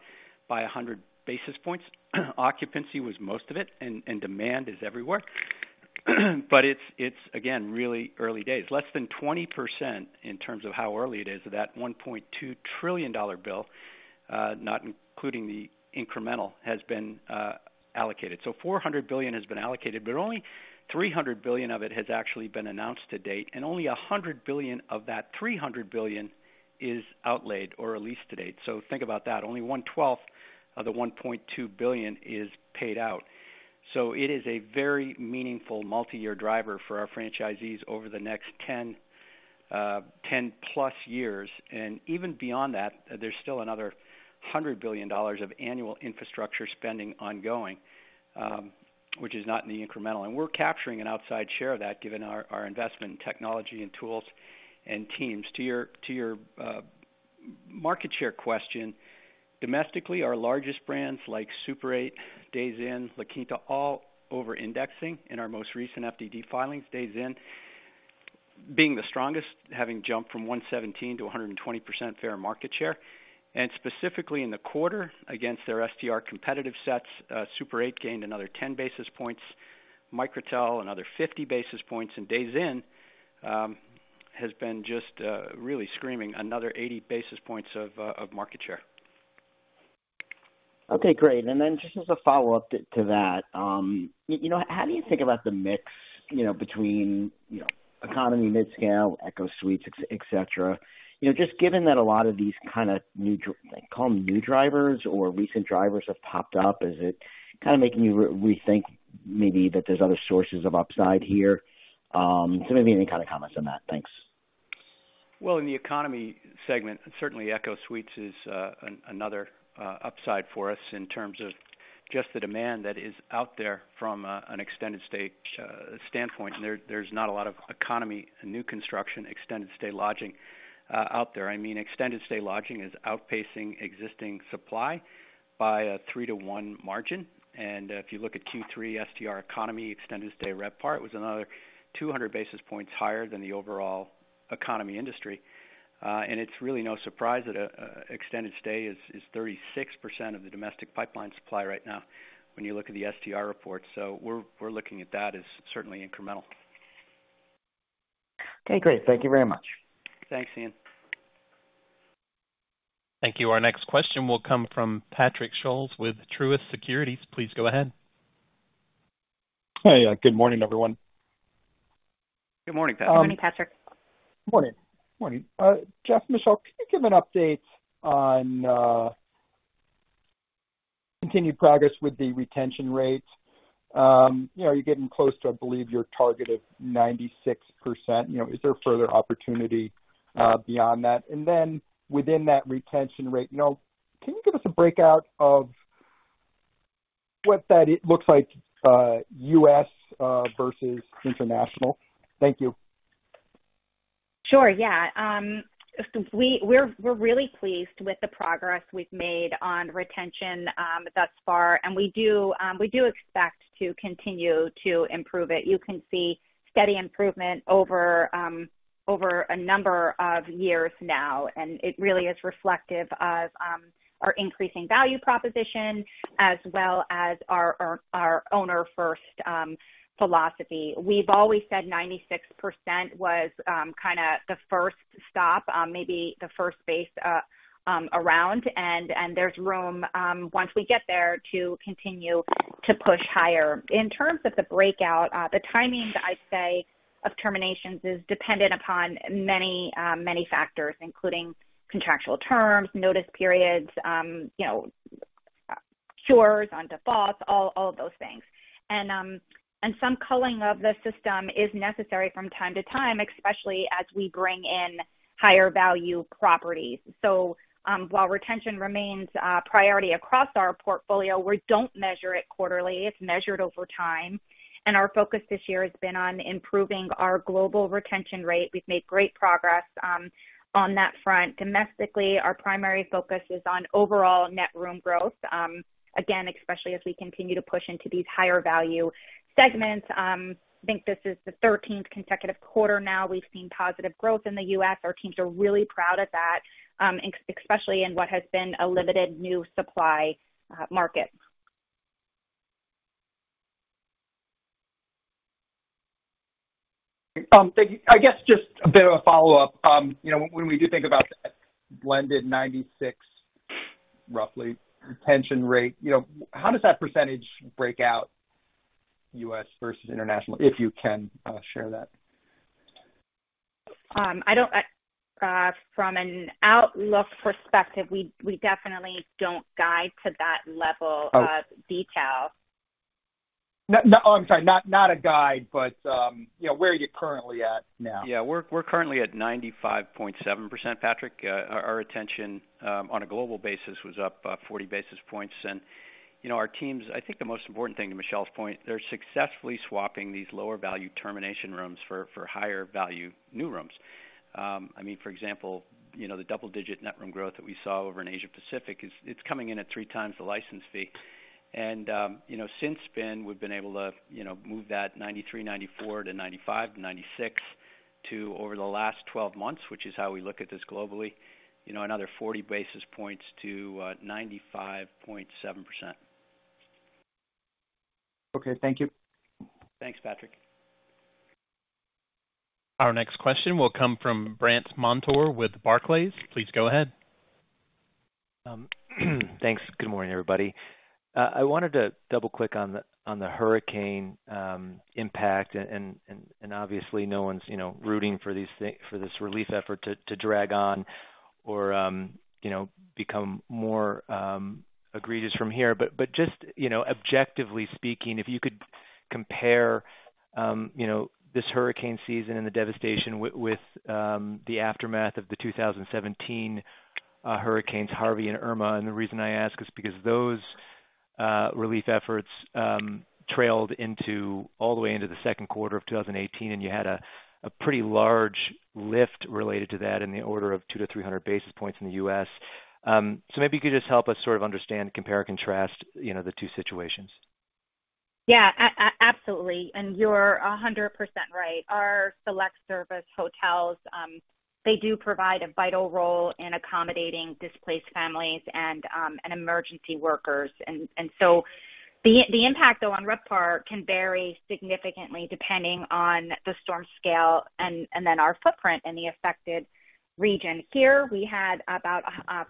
by 100 basis points. Occupancy was most of it, and demand is everywhere. But it's, again, really early days. Less than 20% in terms of how early it is of that $1.2 trillion bill, not including the incremental, has been allocated. So $400 billion has been allocated, but only $300 billion of it has actually been announced to date, and only $100 billion of that $300 billion is outlaid or released to date. So think about that. Only one twelfth of the $1.2 billion is paid out. So it is a very meaningful multi-year driver for our franchisees over the next 10, 10 plus years. And even beyond that, there's still another $100 billion of annual infrastructure spending ongoing, which is not in the incremental. And we're capturing an outside share of that, given our investment in technology and tools and teams. To your market share question, domestically, our largest brands like Super 8, Days Inn, La Quinta, all over indexing in our most recent FDD filings. Days Inn being the strongest, having jumped from 117% to 120% fair market share. And specifically in the quarter, against their STR competitive sets, Super 8 gained another 10 basis points, Microtel another 50 basis points, and Days Inn has been just really screaming another 80 basis points of market share. Okay, great. And then just as a follow-up to that, you know, how do you think about the mix, you know, between, you know, economy, midscale, ECHO Suites, et cetera? You know, just given that a lot of these kind of new, call them new drivers or recent drivers have popped up, is it kind of making you rethink maybe that there's other sources of upside here? So maybe any kind of comments on that? Thanks. In the economy segment, certainly ECHO Suites is another upside for us in terms of just the demand that is out there from an extended stay standpoint. There is not a lot of economy new construction extended stay lodging out there. I mean, extended stay lodging is outpacing existing supply by a three to one margin. If you look at Q3 STR economy extended stay RevPAR, it was another 200 basis points higher than the overall economy industry. It's really no surprise that extended stay is 36% of the domestic pipeline supply right now, when you look at the STR report. We're looking at that as certainly incremental. Okay, great. Thank you very much. Thanks, Ian. Thank you. Our next question will come from Patrick Scholes with Truist Securities. Please go ahead. Hey, good morning, everyone. Good morning, Patrick. Good morning, Patrick. Morning. Morning. Geoff and Michele, can you give an update on continued progress with the retention rates? You know, are you getting close to, I believe, your target of 96%? You know, is there further opportunity beyond that? And then within that retention rate, you know, can you give us a breakout of what that it looks like, US versus international? Thank you. Sure. Yeah. We're really pleased with the progress we've made on retention thus far, and we do expect to continue to improve it. You can see steady improvement over a number of years now, and it really is reflective of our increasing value proposition as well as our owner-first philosophy. We've always said 96% was kind of the first stop, maybe the first base around, and there's room once we get there to continue to push higher. In terms of the breakout, the timing, I'd say, of terminations is dependent upon many factors, including contractual terms, notice periods, you know, cures on defaults, all of those things. Some culling of the system is necessary from time to time, especially as we bring in higher value properties. While retention remains a priority across our portfolio, we don't measure it quarterly. It's measured over time, and our focus this year has been on improving our global retention rate. We've made great progress on that front. Domestically, our primary focus is on overall net room growth, again, especially as we continue to push into these higher value segments. I think this is the thirteenth consecutive quarter now we've seen positive growth in the U.S. Our teams are really proud of that, especially in what has been a limited new supply market. Thank you. I guess just a bit of a follow-up. You know, when we do think about that blended 96% roughly retention rate, you know, how does that percentage break out U.S. versus international, if you can, share that? I don't, from an outlook perspective, we definitely don't guide to that level of detail. No, no, I'm sorry, not a guide, but you know, where are you currently at now? Yeah, we're currently at 95.7%, Patrick. Our retention on a global basis was up 40 basis points. And, you know, our teams, I think the most important thing, to Michele's point, they're successfully swapping these lower value termination rooms for higher value new rooms. I mean, for example, you know, the double-digit net room growth that we saw over in Asia Pacific, it's coming in at three times the license fee. And, you know, since then, we've been able to, you know, move that 93, 94 to 95 to 96 to over the last 12 months, which is how we look at this globally, you know, another 40 basis points to 95.7%. Okay, thank you. Thanks, Patrick. Our next question will come from Brandt Montour with Barclays. Please go ahead. Thanks. Good morning, everybody. I wanted to double-click on the hurricane impact, and obviously, no one's, you know, rooting for these for this relief effort to drag on or, you know, become more egregious from here. But just, you know, objectively speaking, if you could compare, you know, this hurricane season and the devastation with the aftermath of the two thousand and seventeen hurricanes, Harvey and Irma. And the reason I ask is because those relief efforts trailed into all the way into the second quarter of two thousand and eighteen, and you had a pretty large lift related to that in the order of two to three hundred basis points in the U.S. So, maybe you could just help us sort of understand, compare, contrast, you know, the two situations? Yeah, absolutely, and you're 100% right. Our select service hotels, they do provide a vital role in accommodating displaced families and emergency workers. And so the impact, though, on RevPAR can vary significantly depending on the storm scale and then our footprint in the affected region. Here, we had about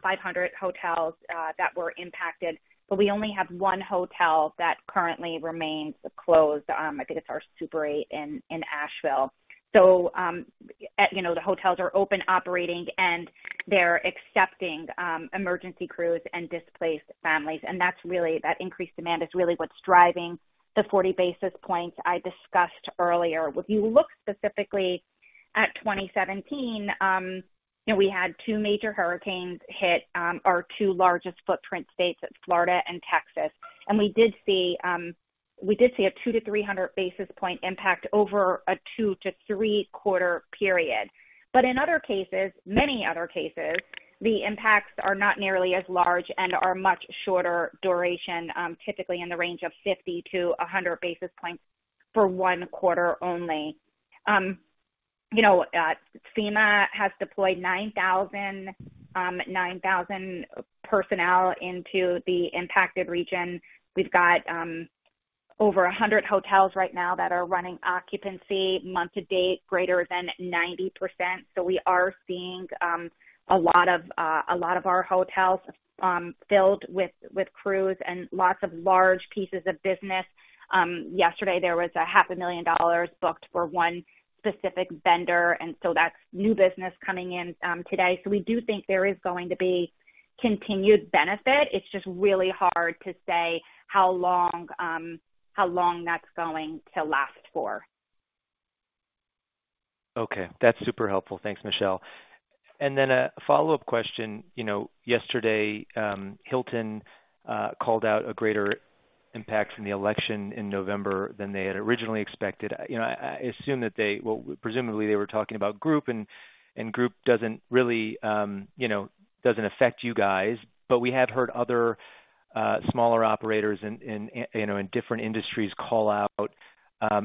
500 hotels that were impacted, but we only have one hotel that currently remains closed. I think it's our Super 8 in Asheville. So, you know, the hotels are open, operating, and they're accepting emergency crews and displaced families, and that's really, that increased demand is really what's driving the 40 basis points I discussed earlier. If you look specifically at 2017, you know, we had two major hurricanes hit our two largest footprint states of Florida and Texas. And we did see a 200-300 basis points impact over a two- to three-quarter period. But in other cases, many other cases, the impacts are not nearly as large and are much shorter duration, typically in the range of 50-100 basis points for one quarter only. You know, FEMA has deployed 9,000 personnel into the impacted region. We've got over 100 hotels right now that are running occupancy month to date, greater than 90%. So we are seeing a lot of our hotels filled with crews and lots of large pieces of business. Yesterday, there was $500,000 booked for one specific vendor, and so that's new business coming in today. So we do think there is going to be continued benefit. It's just really hard to say how long that's going to last for. Okay. That's super helpful. Thanks, Michele. And then a follow-up question. You know, yesterday, Hilton called out a greater impact from the election in November than they had originally expected. You know, I assume that they - well, presumably they were talking about group, and group doesn't really, you know, doesn't affect you guys, but we have heard other smaller operators in, you know, in different industries call out,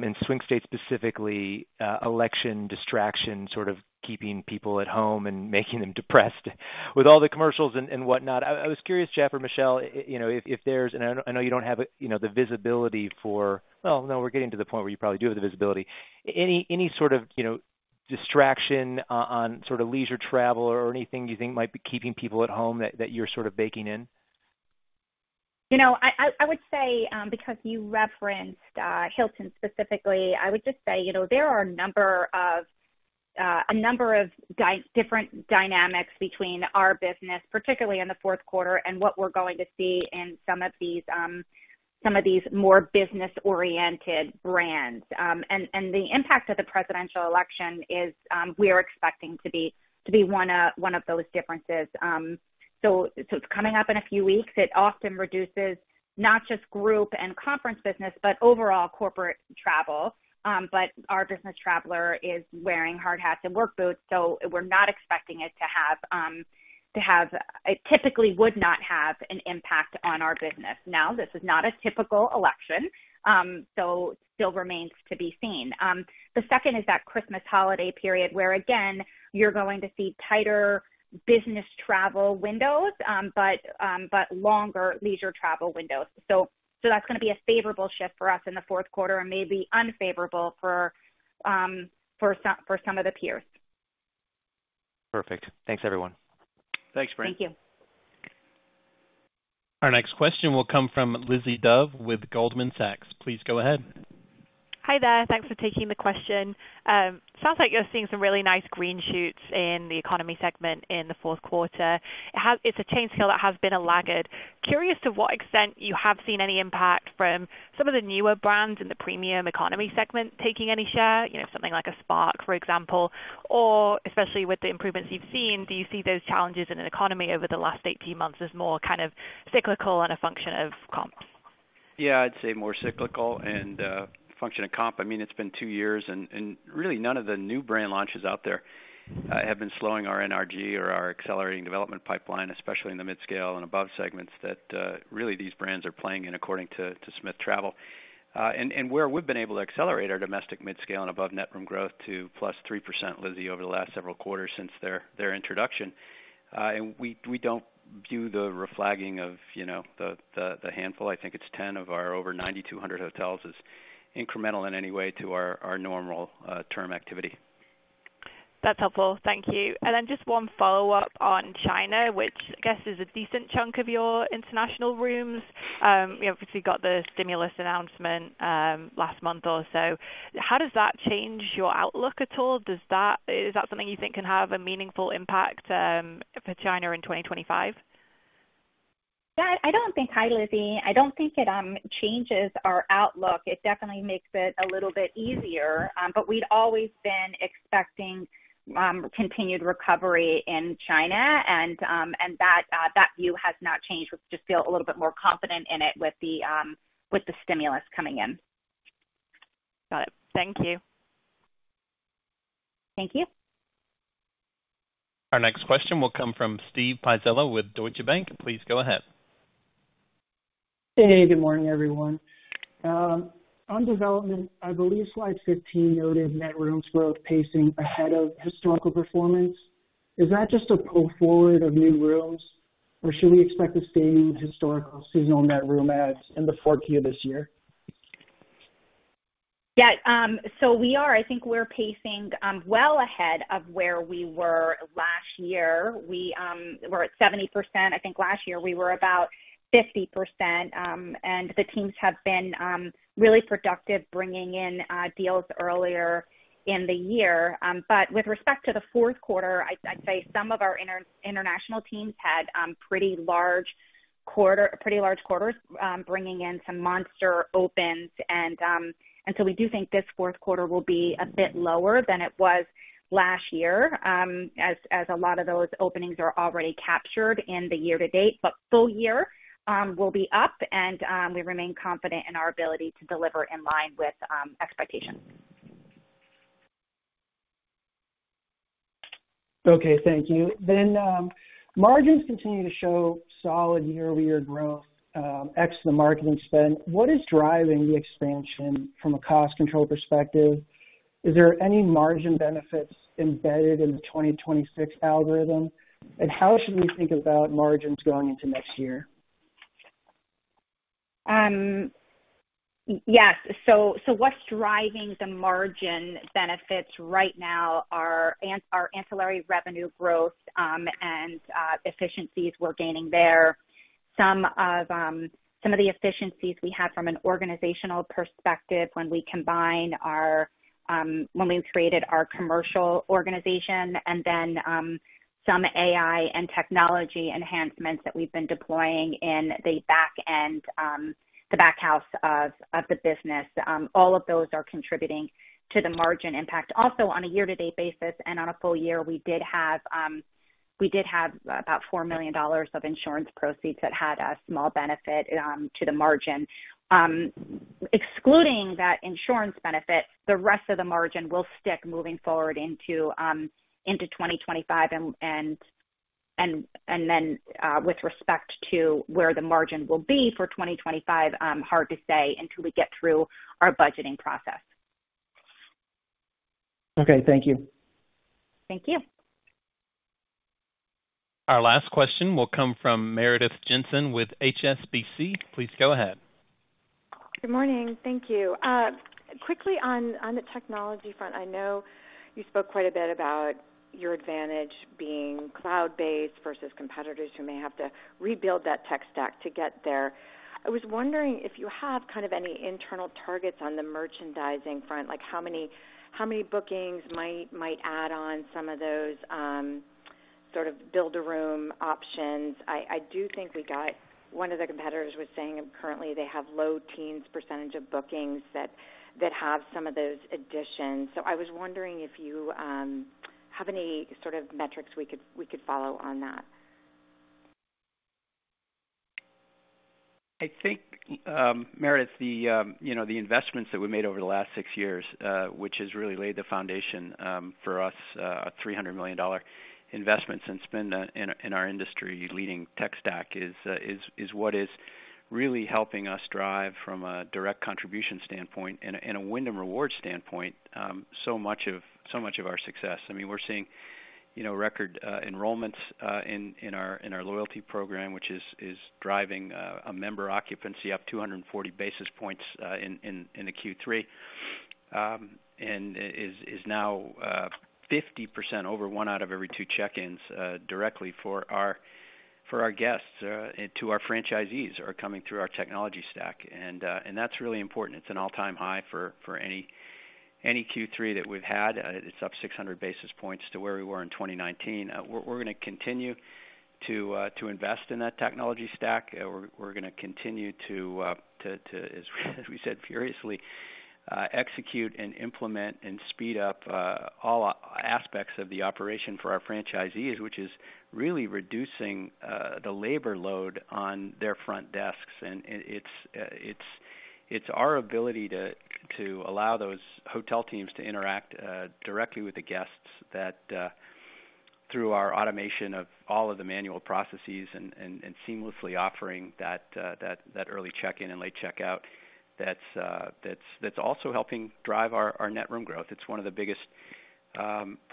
in swing states, specifically, election distraction, sort of keeping people at home and making them depressed with all the commercials and whatnot. I was curious, Geoff or Michele, you know, if there's. And I know you don't have, you know, the visibility for - Well, no, we're getting to the point where you probably do have the visibility. Any sort of, you know, distraction on sort of leisure travel or anything you think might be keeping people at home that you're sort of baking in? You know, I would say, because you referenced Hilton specifically, I would just say, you know, there are a number of different dynamics between our business, particularly in the fourth quarter, and what we're going to see in some of these more business-oriented brands. And the impact of the presidential election is, we are expecting to be one of those differences. So it's coming up in a few weeks. It often reduces not just group and conference business, but overall corporate travel. But our business traveler is wearing hard hats and work boots, so we're not expecting it to have an impact on our business. It typically would not have an impact on our business. Now, this is not a typical election, so still remains to be seen. The second is that Christmas holiday period, where again, you're going to see tighter business travel windows, but longer leisure travel windows. So that's gonna be a favorable shift for us in the fourth quarter and maybe unfavorable for some of the peers. Perfect. Thanks, everyone. Thanks, Brandt. Thank you. Our next question will come from Lizzie Dove with Goldman Sachs. Please go ahead. Hi there. Thanks for taking the question. Sounds like you're seeing some really nice green shoots in the economy segment in the fourth quarter. It's a chain scale that has been a laggard. Curious to what extent you have seen any impact from some of the newer brands in the premium economy segment, taking any share, you know, something like a Spark, for example, or especially with the improvements you've seen, do you see those challenges in an economy over the last 18 months as more kind of cyclical and a function of comps? Yeah, I'd say more cyclical and function of comp. I mean, it's been two years, and really, none of the new brand launches out there have been slowing our NRG or our accelerating development pipeline, especially in the mid-scale and above segments that really these brands are playing in according to Smith Travel. And where we've been able to accelerate our domestic mid-scale and above net room growth to plus 3%, Lizzie, over the last several quarters since their introduction, and we don't view the reflagging of, you know, the handful, I think it's 10 of our over 9,200 hotels, is incremental in any way to our normal term activity. That's helpful. Thank you, and then just one follow-up on China, which I guess is a decent chunk of your international rooms. You obviously got the stimulus announcement last month or so. How does that change your outlook at all? Is that something you think can have a meaningful impact for China in 2025? Hi, Lizzie. I don't think it changes our outlook. It definitely makes it a little bit easier, but we'd always been expecting continued recovery in China, and that view has not changed. We just feel a little bit more confident in it with the stimulus coming in. Got it. Thank you. Thank you. Our next question will come from Steve Pizzella with Deutsche Bank. Please go ahead. Hey, good morning, everyone. On development, I believe slide 15 noted net room growth pacing ahead of historical performance. Is that just a pull forward of new rooms, or should we expect the same historical seasonal net room adds in the fourth quarter this year? Yeah, so we are. I think we're pacing well ahead of where we were last year. We're at 70%. I think last year we were about 50%, and the teams have been really productive, bringing in deals earlier in the year. But with respect to the fourth quarter, I'd say some of our international teams had pretty large quarters, bringing in some monster opens. And so we do think this fourth quarter will be a bit lower than it was last year, as a lot of those openings are already captured in the year to date, but full year will be up, and we remain confident in our ability to deliver in line with expectations. Okay, thank you. Then, margins continue to show solid year-over-year growth, ex the marketing spend. What is driving the expansion from a cost control perspective? Is there any margin benefits embedded in the 2026 algorithm? And how should we think about margins going into next year? Yes. So what's driving the margin benefits right now are our ancillary revenue growth, and efficiencies we're gaining there. Some of the efficiencies we had from an organizational perspective when we created our commercial organization and then some AI and technology enhancements that we've been deploying in the back end, the back of house of the business, all of those are contributing to the margin impact. Also, on a year-to-date basis and on a full year, we did have about $4 million of insurance proceeds that had a small benefit to the margin. Excluding that insurance benefit, the rest of the margin will stick moving forward into 2025 and then, with respect to where the margin will be for 2025, hard to say until we get through our budgeting process. Okay, thank you. Thank you. Our last question will come from Meredith Jensen with HSBC. Please go ahead. Good morning. Thank you. Quickly on the technology front, I know you spoke quite a bit about your advantage being cloud-based versus competitors who may have to rebuild that tech stack to get there. I was wondering if you have kind of any internal targets on the merchandising front, like how many bookings might add on some of those sort of build-a-room options? I do think one of the competitors was saying currently they have low teens percentage of bookings that have some of those additions. So I was wondering if you have any sort of metrics we could follow on that. I think, Meredith, the, you know, the investments that we made over the last six years, which has really laid the foundation for us, $300 million investments and spend in our industry-leading tech stack is what is really helping us drive from a direct contribution standpoint and a Wyndham Rewards standpoint, so much of our success. I mean, we're seeing, you know, record enrollments in our loyalty program, which is driving a member occupancy up 240 basis points in the Q3, and is now 50% over one out of every two check-ins directly for our guests to our franchisees are coming through our technology stack, and that's really important. It's an all-time high for any Q3 that we've had. It's up 600 basis points to where we were in 2019. We're gonna continue to invest in that technology stack. We're gonna continue to, as we said furiously, execute and implement and speed up all aspects of the operation for our franchisees, which is really reducing the labor load on their front desks. And it's our ability to allow those hotel teams to interact directly with the guests, that through our automation of all of the manual processes and seamlessly offering that early check-in and late check-out, that's also helping drive our net room growth. It's one of the biggest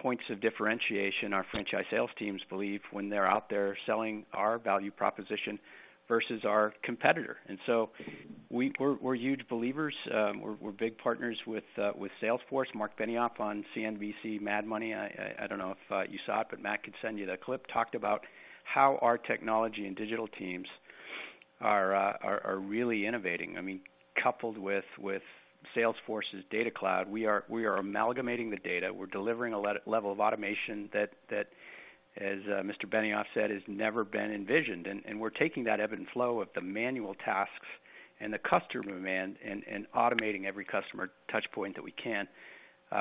points of differentiation our franchise sales teams believe when they're out there selling our value proposition versus our competitor. And so we're huge believers, we're big partners with Salesforce. Marc Benioff on CNBC Mad Money. I don't know if you saw it, but Matt could send you that clip, talked about how our technology and digital teams are really innovating. I mean, coupled with Salesforce's Data Cloud, we are amalgamating the data. We're delivering a level of automation that, as Mr. Benioff said, "Has never been envisioned." And we're taking that ebb and flow of the manual tasks and the customer demand and automating every customer touch point that we can,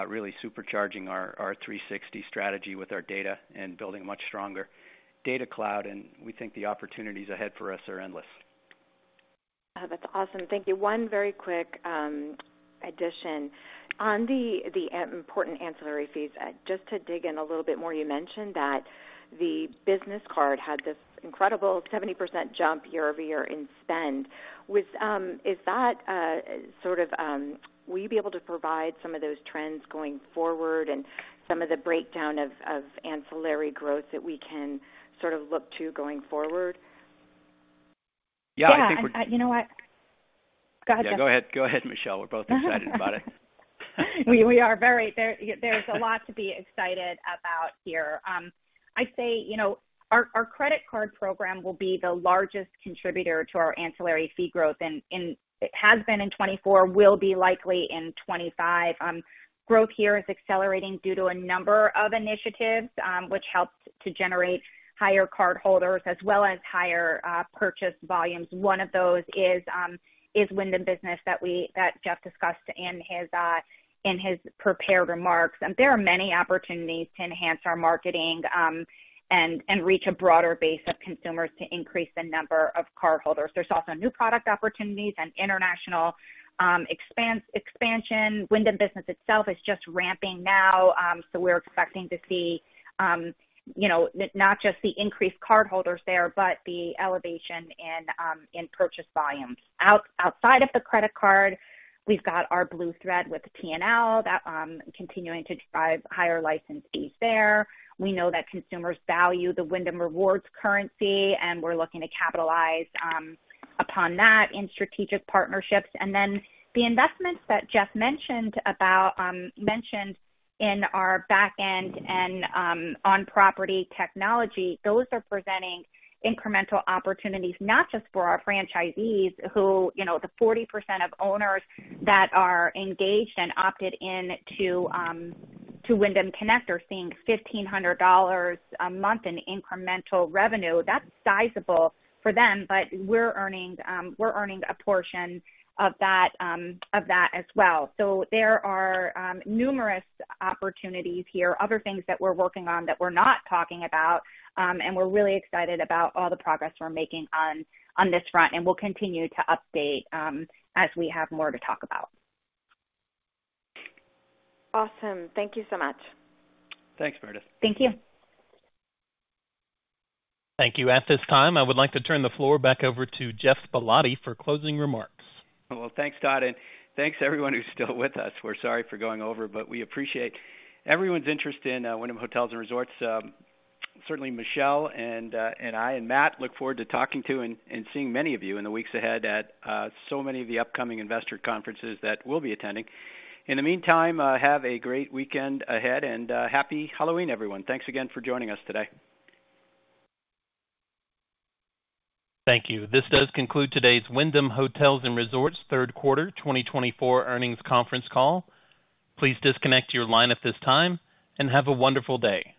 really supercharging our three sixty strategy with our data and building a much stronger Data Cloud, and we think the opportunities ahead for us are endless. That's awesome. Thank you. One very quick addition. On the important ancillary fees, just to dig in a little bit more, you mentioned that the business card had this incredible 70% jump year over year in spend. With... Is that sort of will you be able to provide some of those trends going forward and some of the breakdown of ancillary growth that we can sort of look to going forward? Yeah, I think we're- Yeah, you know what? Gotcha. Yeah, go ahead. Go ahead, Michele. We're both excited about it. We are very. There is a lot to be excited about here. I'd say, you know, our credit card program will be the largest contributor to our ancillary fee growth, and it has been in 2024, will be likely in 2025. Growth here is accelerating due to a number of initiatives, which helped to generate higher cardholders as well as higher purchase volumes. One of those is Wyndham Business that we, that Geoff discussed in his prepared remarks. And there are many opportunities to enhance our marketing, and reach a broader base of consumers to increase the number of cardholders. There's also new product opportunities and international expansion. Wyndham Business itself is just ramping now, so we're expecting to see, you know, not just the increased cardholders there, but the elevation in in purchase volumes. Outside of the credit card, we've got our Blue Thread with T&L, that continuing to drive higher license fees there. We know that consumers value the Wyndham Rewards currency, and we're looking to capitalize upon that in strategic partnerships. Then the investments that Geoff mentioned in our back end and on property technology, those are presenting incremental opportunities, not just for our franchisees, who, you know, the 40% of owners that are engaged and opted in to Wyndham Connect, seeing $1,500 a month in incremental revenue, that's sizable for them, but we're earning a portion of that as well. So there are numerous opportunities here, other things that we're working on that we're not talking about, and we're really excited about all the progress we're making on this front, and we'll continue to update as we have more to talk about. Awesome. Thank you so much. Thanks, Meredith. Thank you. Thank you. At this time, I would like to turn the floor back over to Geoff Ballotti for closing remarks. Thanks, Todd, and thanks to everyone who's still with us. We're sorry for going over, but we appreciate everyone's interest in Wyndham Hotels & Resorts. Certainly, Michele and I, and Matt look forward to talking to and seeing many of you in the weeks ahead at so many of the upcoming investor conferences that we'll be attending. In the meantime, have a great weekend ahead, and Happy Halloween, everyone. Thanks again for joining us today. Thank you. This does conclude today's Wyndham Hotels and Resorts third quarter 2024 earnings conference call. Please disconnect your line at this time, and have a wonderful day.